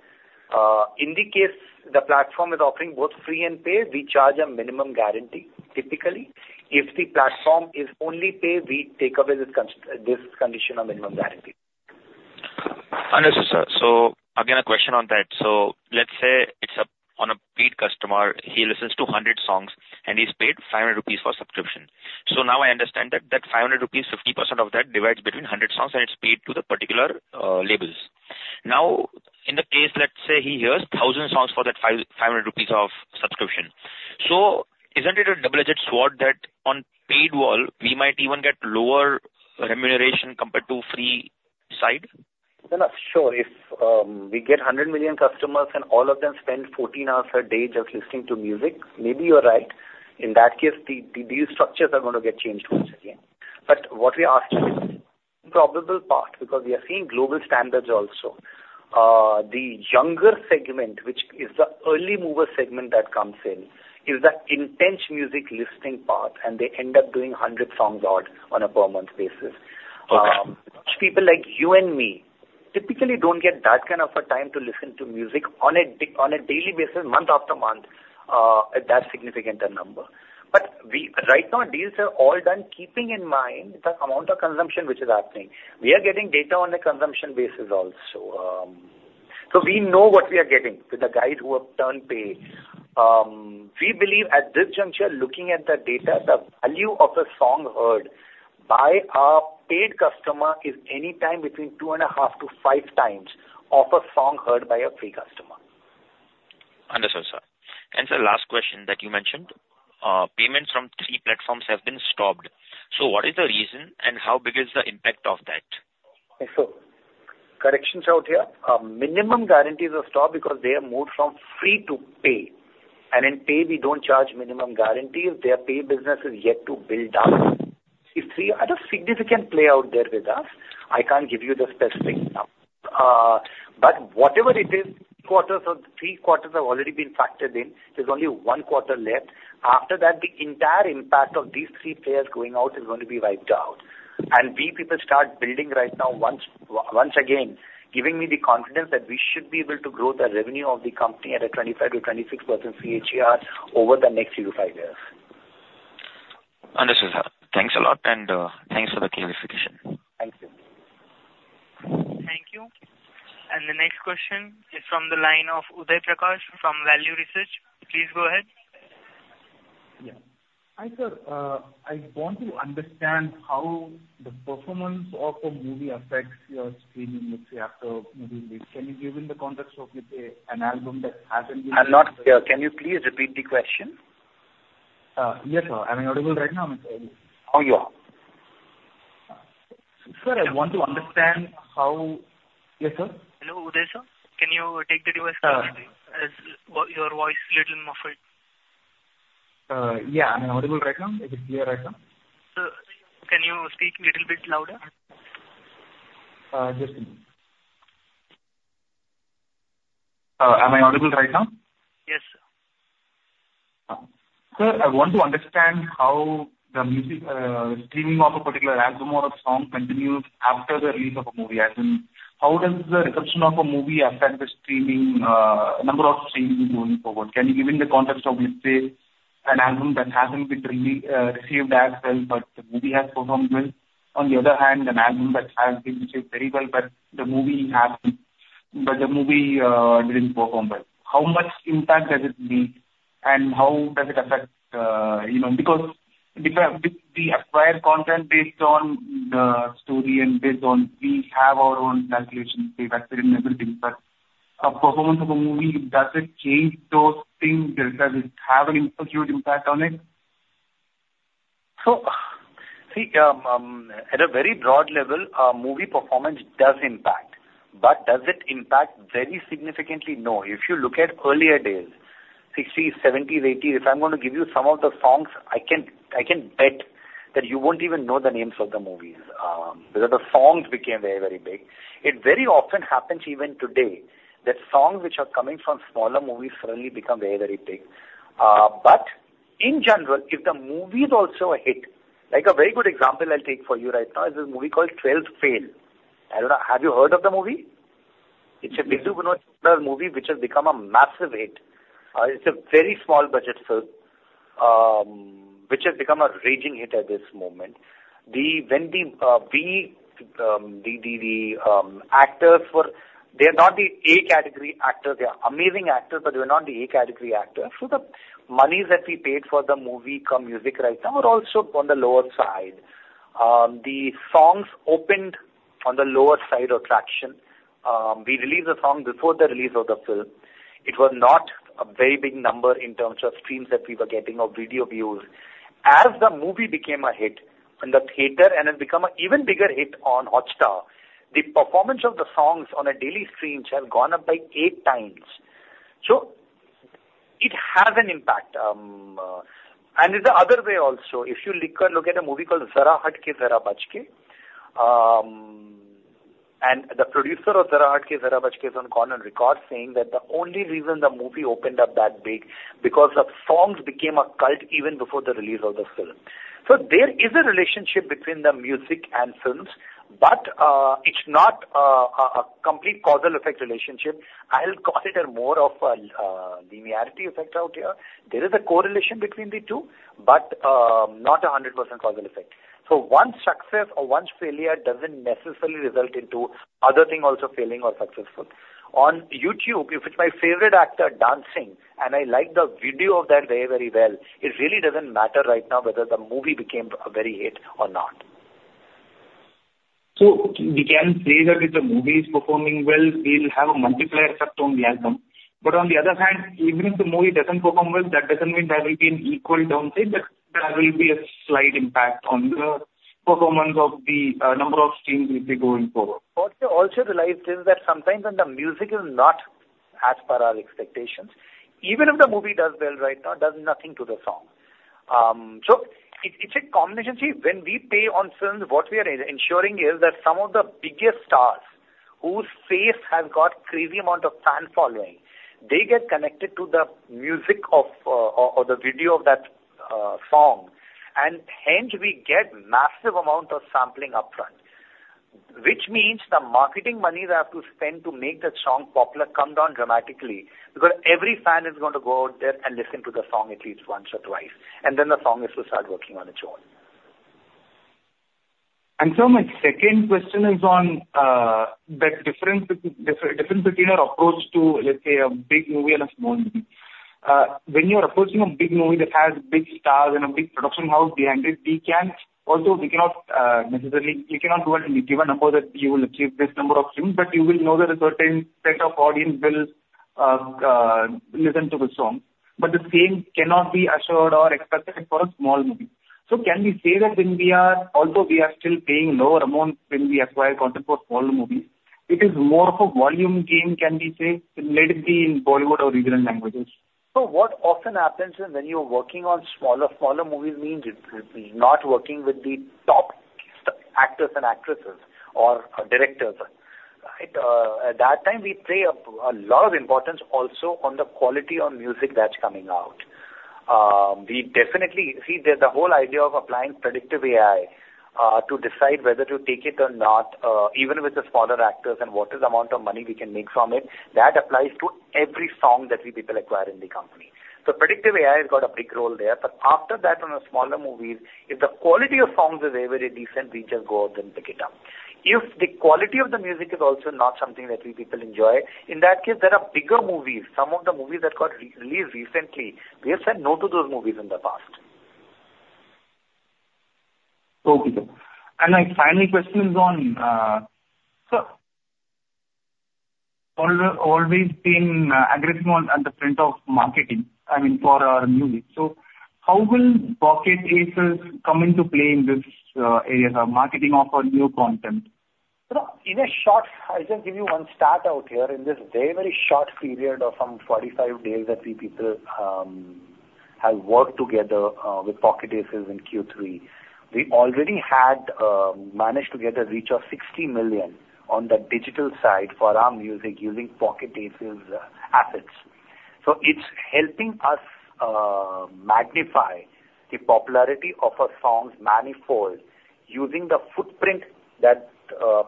In the case the platform is offering both free and paid, we charge a minimum guarantee, typically. If the platform is only paid, we take away this condition of minimum guarantee. Understood, sir. So again, a question on that. So let's say it's on a paid customer. He listens to 100 songs, and he's paid 500 rupees for subscription. So now I understand that that 500 rupees, 50% of that divides between 100 songs, and it's paid to the particular labels. Now, in the case, let's say he hears 1,000 songs for that 500 rupees of subscription. So isn't it a double-edged sword that on paywall, we might even get lower remuneration compared to free side? We're not sure. If we get 100 million customers and all of them spend 14 hours a day just listening to music, maybe you're right. In that case, these structures are going to get changed once again. But what we are asking is the probable part because we are seeing global standards also. The younger segment, which is the early-mover segment that comes in, is that intense music listening part, and they end up doing 100 songs odd on a per-month basis. People like you and me typically don't get that kind of a time to listen to music on a daily basis, month after month, at that significant number. But right now, deals are all done keeping in mind the amount of consumption which is happening. We are getting data on a consumption basis also. So we know what we are getting with the guys who have turned pay. We believe at this juncture, looking at the data, the value of a song heard by a paid customer is anytime between 2.5-5x of a song heard by a free customer. Understood, sir. And sir, last question that you mentioned, payments from three platforms have been stopped. So what is the reason, and how big is the impact of that? So, corrections out here. Minimum guarantees are stopped because they have moved from free to pay. And in pay, we don't charge minimum guarantees. Their pay business is yet to build up. These three are a significant player out there with us. I can't give you the specifics now. But whatever it is, 3 quarters have already been factored in. There's only one quarter left. After that, the entire impact of these three players going out is going to be wiped out. And we, people, start building right now once again, giving me the confidence that we should be able to grow the revenue of the company at a 25%-26% CAGR over the next 3-5 years. Understood, sir. Thanks a lot, and thanks for the clarification. Thank you. Thank you. The next question is from the line of Uday Prakash from Value Research. Please go ahead. Yeah. Hi, sir. I want to understand how the performance of a movie affects your streaming, let's say, after movies. Can you give in the context of, let's say, an album that hasn't been? I'm not clear. Can you please repeat the question? Yes, sir. Am I audible right now, Mr. Eddy? Oh, you are. Sir, I want to understand how? Yes, sir? Hello, Uday, sir. Can you take the device closer to you? Your voice is a little muffled. Yeah. Am I audible right now? Is it clear right now? Sir, can you speak a little bit louder? Just a minute. Am I audible right now? Yes, sir. Sir, I want to understand how the streaming of a particular album or a song continues after the release of a movie. How does the reception of a movie affect the number of streams going forward? Can you give in the context of, let's say, an album that hasn't been received as well, but the movie has performed well? On the other hand, an album that has been received very well, but the movie didn't perform well. How much impact does it make, and how does it affect? Because we acquire content based on the story and based on we have our own calculations, payback period, and everything. But performance of a movie, does it change those things? Does it have a huge impact on it? So see, at a very broad level, movie performance does impact. But does it impact very significantly? No. If you look at earlier days, '60s, '70s, '80s, if I'm going to give you some of the songs, I can bet that you won't even know the names of the movies because the songs became very, very big. It very often happens even today that songs which are coming from smaller movies suddenly become very, very big. But in general, if the movie is also a hit, a very good example I'll take for you right now is a movie called 12th Fail. I don't know. Have you heard of the movie? It's a Vidhu Vinod Chopra movie which has become a massive hit. It's a very small-budget film which has become a raging hit at this moment. When the actors were they are not the A-category actors. They are amazing actors, but they are not the A-category actors. So the monies that we paid for the movie's music rights now are also on the lower side. The songs opened on the lower side of traction. We released the song before the release of the film. It was not a very big number in terms of streams that we were getting or video views. As the movie became a hit in the theater and has become an even bigger hit on Hotstar, the performance of the songs on a daily stream has gone up by eight times. So it has an impact. And there's another way also. If you look at a movie called Zara Hatke Zara Bachke, and the producer of Zara Hatke Zara Bachke has gone on record saying that the only reason the movie opened up that big is because the songs became a cult even before the release of the film. So there is a relationship between the music and films, but it's not a complete causal-effect relationship. I'll call it more of a linearity effect out here. There is a correlation between the two, but not a 100% causal effect. So one success or one failure doesn't necessarily result into other things also failing or successful. On YouTube, if it's my favorite actor dancing and I like the video of that very, very well, it really doesn't matter right now whether the movie became a very hit or not. We can say that if the movie is performing well, we'll have a multiplier effect on the album. But on the other hand, even if the movie doesn't perform well, that doesn't mean there will be an equal downside, but there will be a slight impact on the performance of the number of streams we see going forward. What we also realized is that sometimes when the music is not as per our expectations, even if the movie does well right now, it does nothing to the song. So it's a combination. See, when we pay on films, what we are ensuring is that some of the biggest stars whose face has got a crazy amount of fan following, they get connected to the music or the video of that song. And hence, we get a massive amount of sampling upfront, which means the marketing monies I have to spend to make that song popular come down dramatically because every fan is going to go out there and listen to the song at least once or twice. And then the song is to start working on its own. And sir, my second question is on the difference between your approach to, let's say, a big movie and a small movie. When you're approaching a big movie that has big stars and a big production house behind it, also, we cannot necessarily give a number that you will achieve this number of streams, but you will know that a certain set of audience will listen to the song. But the same cannot be assured or expected for a small movie. So can we say that when we are also still paying lower amounts when we acquire content for smaller movies? It is more of a volume game, can we say, let it be in Bollywood or regional languages. So what often happens when you're working on smaller movies means not working with the top actors and actresses or directors, right? At that time, we pay a lot of importance also on the quality of music that's coming out. We definitely see the whole idea of applying Predictive AI to decide whether to take it or not, even with the smaller actors and what is the amount of money we can make from it. That applies to every song that we, people, acquire in the company. So Predictive AI has got a big role there. But after that, on the smaller movies, if the quality of songs is very, very decent, we just go out and pick it up. If the quality of the music is also not something that we, people, enjoy, in that case, there are bigger movies. Some of the movies that got released recently, we have said no to those movies in the past. Okay, sir. My final question is on, sir, always been aggressive at the front of marketing, I mean, for our music. How will Pocket Aces come into play in this area, sir, marketing of our new content? Sir, in a short I'll just give you one stat out here. In this very, very short period of some 45 days that we, people, have worked together with Pocket Aces in Q3, we already had managed to get a reach of 60 million on the digital side for our music using Pocket Aces' assets. So it's helping us magnify the popularity of our songs manifold using the footprint that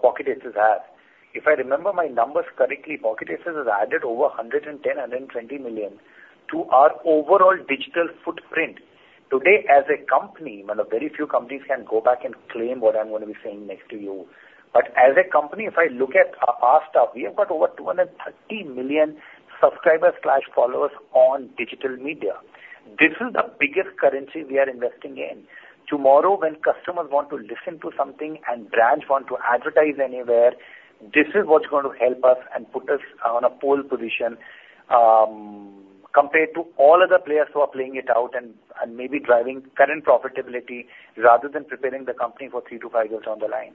Pocket Aces has. If I remember my numbers correctly, Pocket Aces has added over 110-120 million to our overall digital footprint. Today, as a company I mean, very few companies can go back and claim what I'm going to be saying next to you. But as a company, if I look at our stuff, we have got over 230 million subscribers/followers on digital media. This is the biggest currency we are investing in. Tomorrow, when customers want to listen to something and brands want to advertise anywhere, this is what's going to help us and put us on a pole position compared to all other players who are playing it out and maybe driving current profitability rather than preparing the company for 3-5 years down the line.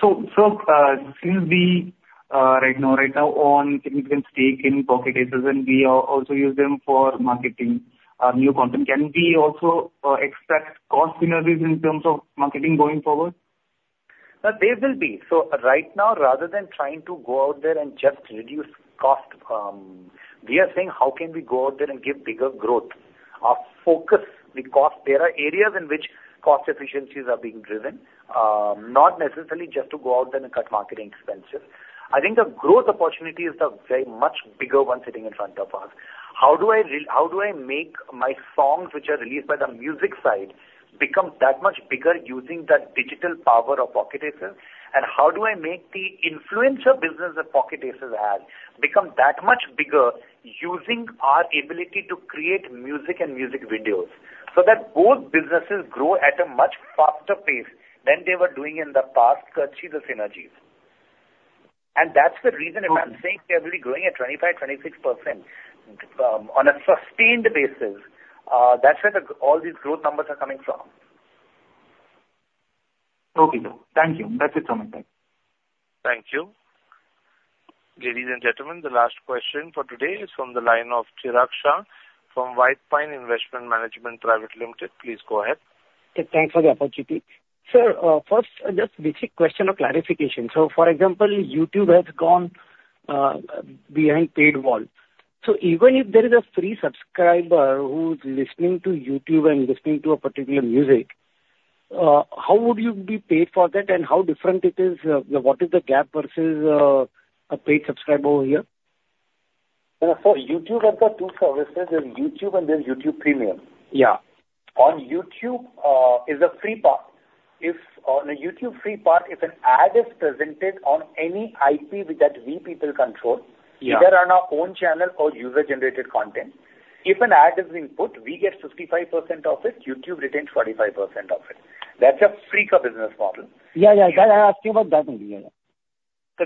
Sir, since we right now own significant stake in Pocket Aces, and we also use them for marketing new content, can we also expect cost synergies in terms of marketing going forward? There will be. So right now, rather than trying to go out there and just reduce cost, we are saying, "How can we go out there and give bigger growth?" Our focus, the cost there are areas in which cost efficiencies are being driven, not necessarily just to go out there and cut marketing expenses. I think the growth opportunity is the very much bigger one sitting in front of us. How do I make my songs which are released by the music side become that much bigger using that digital power of Pocket Aces? And how do I make the influencer business that Pocket Aces has become that much bigger using our ability to create music and music videos so that both businesses grow at a much faster pace than they were doing in the past to achieve the synergies? That's the reason if I'm saying we are really growing at 25%-26% on a sustained basis, that's where all these growth numbers are coming from. Okay, sir. Thank you. That's it from my side. Thank you. Ladies and gentlemen, the last question for today is from the line of Chirag Shah from White Pine Investment Management, Pvt. Ltd. Please go ahead. Thanks for the opportunity. Sir, first, just basic question of clarification. So, for example, YouTube has gone behind the paywall. So even if there is a free subscriber who's listening to YouTube and listening to a particular music, how would you be paid for that, and how different it is? What is the gap versus a paid subscriber over here? Sir, for YouTube, there are two services. There's YouTube, and there's YouTube Premium. On YouTube, it's a free part. On a YouTube free part, if an ad is presented on any IP that we, people, control, either on our own channel or user-generated content, if an ad is being put, we get 55% of it. YouTube retains 45% of it. That's a freak of a business model. Yeah, yeah. I'm asking about that only. Yeah, yeah.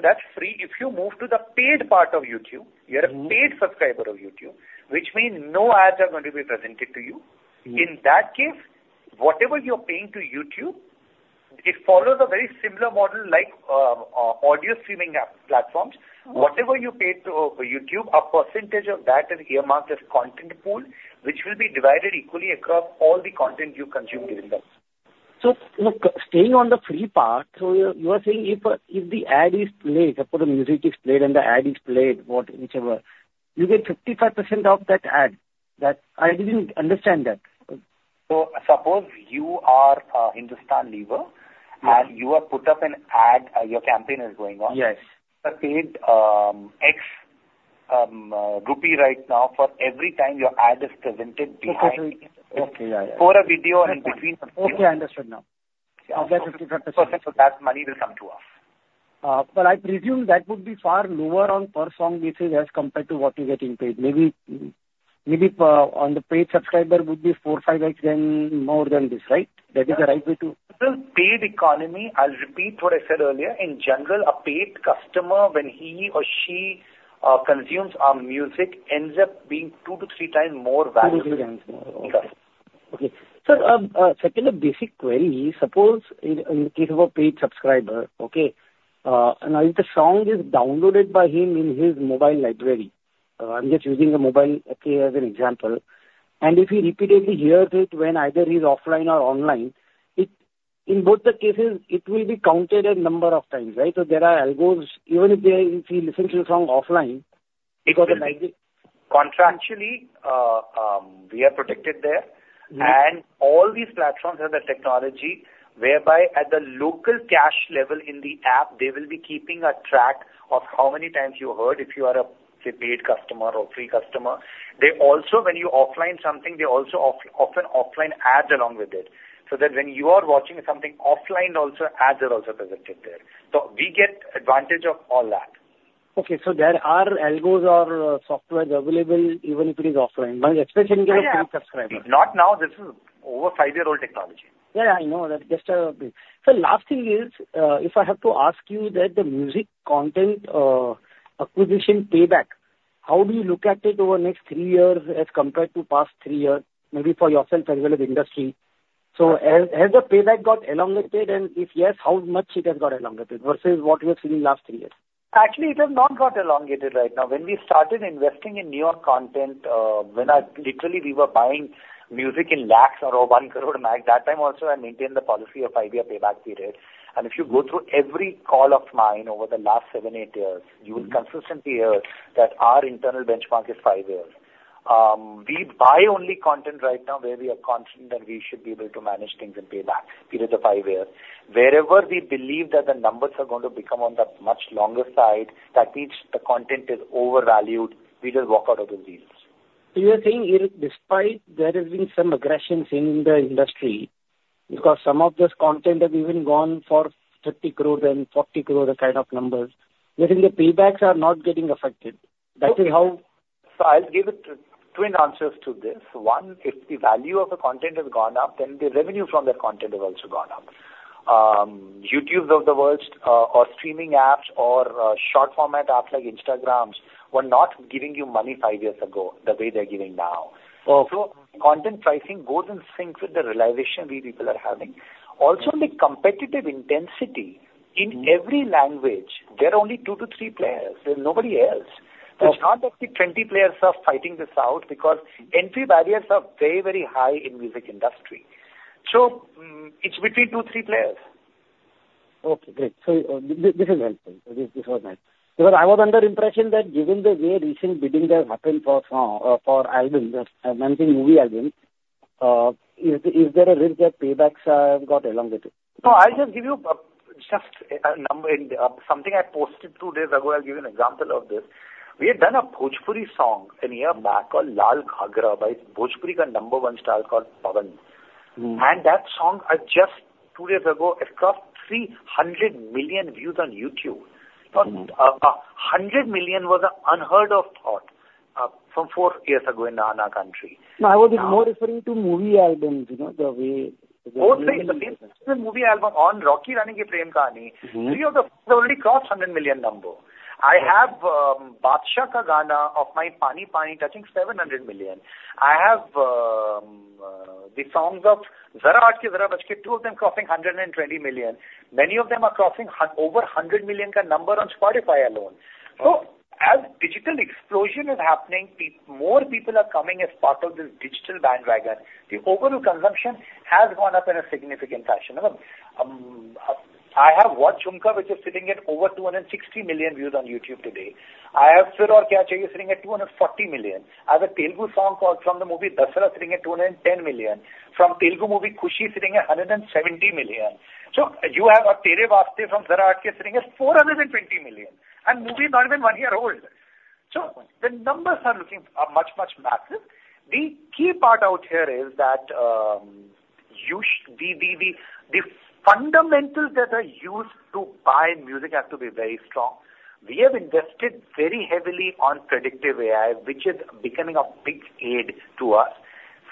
That's free. If you move to the paid part of YouTube, you're a paid subscriber of YouTube, which means no ads are going to be presented to you. In that case, whatever you're paying to YouTube, it follows a very similar model like audio streaming platforms. Whatever you pay to YouTube, a percentage of that is earmarked as content pool, which will be divided equally across all the content you consume during that. So look, staying on the free part, so you are saying if the ad is played suppose the music is played and the ad is played, whichever, you get 55% of that ad. I didn't understand that. Suppose you are a Hindustan Lever, and you are put up an ad. Your campaign is going on. You have paid INR X rupees right now for every time your ad is presented behind. Okay, yeah, yeah. For a video and between a video. Okay, I understood now. I'll get 55%. 55% of that money will come to us. But I presume that would be far lower on per song basis as compared to what you're getting paid. Maybe on the paid subscriber, it would be 4-5x more than this, right? That is the right way to. In the paid economy, I'll repeat what I said earlier. In general, a paid customer, when he or she consumes our music, ends up being 2-3x more valuable. 2-3x more. Okay. Sir, second, a basic query. Suppose in the case of a paid subscriber, okay, now if the song is downloaded by him in his mobile library, I'm just using a mobile as an example. And if he repeatedly hears it when either he's offline or online, in both the cases, it will be counted a number of times, right? So there are algos. Even if he listens to the song offline, it goes on. Contractually, we are protected there. All these platforms have the technology whereby at the local cache level in the app, they will be keeping a track of how many times you heard, if you are a paid customer or free customer. Also, when you offline something, they also often offline ads along with it so that when you are watching something offline, ads are also presented there. We get advantage of all that. Okay. There are algos or softwares available even if it is offline, especially in the case of free subscribers. Not now. This is over five year-old technology. Yeah, yeah. I know that. Just a bit. Sir, last thing is, if I have to ask you that the music content acquisition payback, how do you look at it over the next three years as compared to past three years, maybe for yourself as well as industry? So has the payback got elongated? And if yes, how much it has got elongated versus what you have seen in the last three years? Actually, it has not got elongated right now. When we started investing in new content, when literally we were buying music in lakhs or 1 crore max, that time also, I maintained the policy of five year payback period. If you go through every call of mine over the last seven, eight years, you will consistently hear that our internal benchmark is five years. We buy only content right now where we are confident that we should be able to manage things in payback period of five years. Wherever we believe that the numbers are going to become on the much longer side, that means the content is overvalued, we just walk out of the deals. So you're saying despite there having been some aggression in the industry because some of this content has even gone for 30 crore and 40 crore kind of numbers, you're saying the paybacks are not getting affected. That is how. So I'll give it twin answers to this. One, if the value of the content has gone up, then the revenue from that content has also gone up. YouTubes of the world or streaming apps or short-format apps like Instagrams were not giving you money five years ago the way they're giving now. So content pricing goes in sync with the realization we, people, are having. Also, the competitive intensity in every language, there are only two to three players. There's nobody else. There's not actually 20 players fighting this out because entry barriers are very, very high in the music industry. So it's between two to three players. Okay, great. So this is helpful. This was nice. Because I was under the impression that given the way recent bidding has happened for albums, maintaining movie albums, is there a risk that paybacks have got elongated? No, I'll just give you just something I posted two days ago. I'll give you an example of this. We had done a Bhojpuri song a year back called Lal Ghagra by Bhojpuri's number one star called Neelkamal Singh. And that song, just two days ago, crossed 300 million views on YouTube. 100 million was an unheard-of thought from four years ago in our country. No, I was more referring to movie albums, the way. Oh, same movie album on Rocky Aur Rani Kii Prem Kahaani. three of the songs have already crossed 100 million number. I have Badshah Ka Gana of Pani Pani, touching 700 million. I have the songs of Zara Hatke Zara Bachke, two of them crossing 120 million. Many of them are crossing over 100 million number on Spotify alone. So as digital explosion is happening, more people are coming as part of this digital bandwagon. The overall consumption has gone up in a significant fashion. I have What Jhumka, which is sitting at over 260 million views on YouTube today. I have Sir Aur Kya Cheya sitting at 240 million. I have a Telugu song called From the Movie Dasara sitting at 210 million. From Telugu movie Khushi sitting at 170 million. So you have Tere Vaaste from Zara Hatke sitting at 420 million. The movie is not even one year old. The numbers are looking much, much massive. The key part out here is that the fundamentals that are used to buy music have to be very strong. We have invested very heavily on Predictive AI, which is becoming a big aid to us.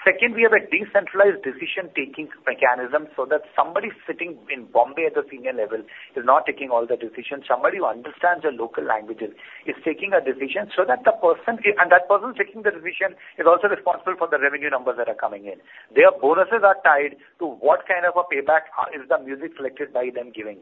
Second, we have a decentralized decision-making mechanism so that somebody sitting in Bombay at the senior level is not taking all the decisions. Somebody who understands the local languages is taking a decision so that the person and that person taking the decision is also responsible for the revenue numbers that are coming in. Their bonuses are tied to what kind of a payback is the music selected by them giving.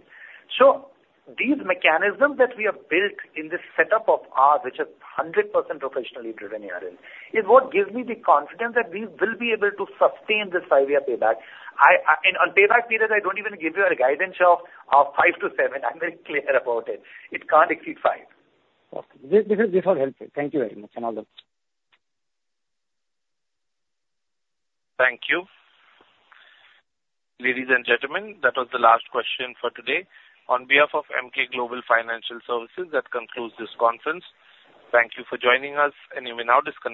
These mechanisms that we have built in this setup of ours, which is 100% professionally driven, is what gives me the confidence that we will be able to sustain this five-year payback. On payback period, I don't even give you a guidance of five to seven. I'm very clear about it. It can't exceed five. Okay. This will help you. Thank you very much and all that. Thank you. Ladies and gentlemen, that was the last question for today. On behalf of MK Global Financial Services, that concludes this conference. Thank you for joining us. You may now disconnect.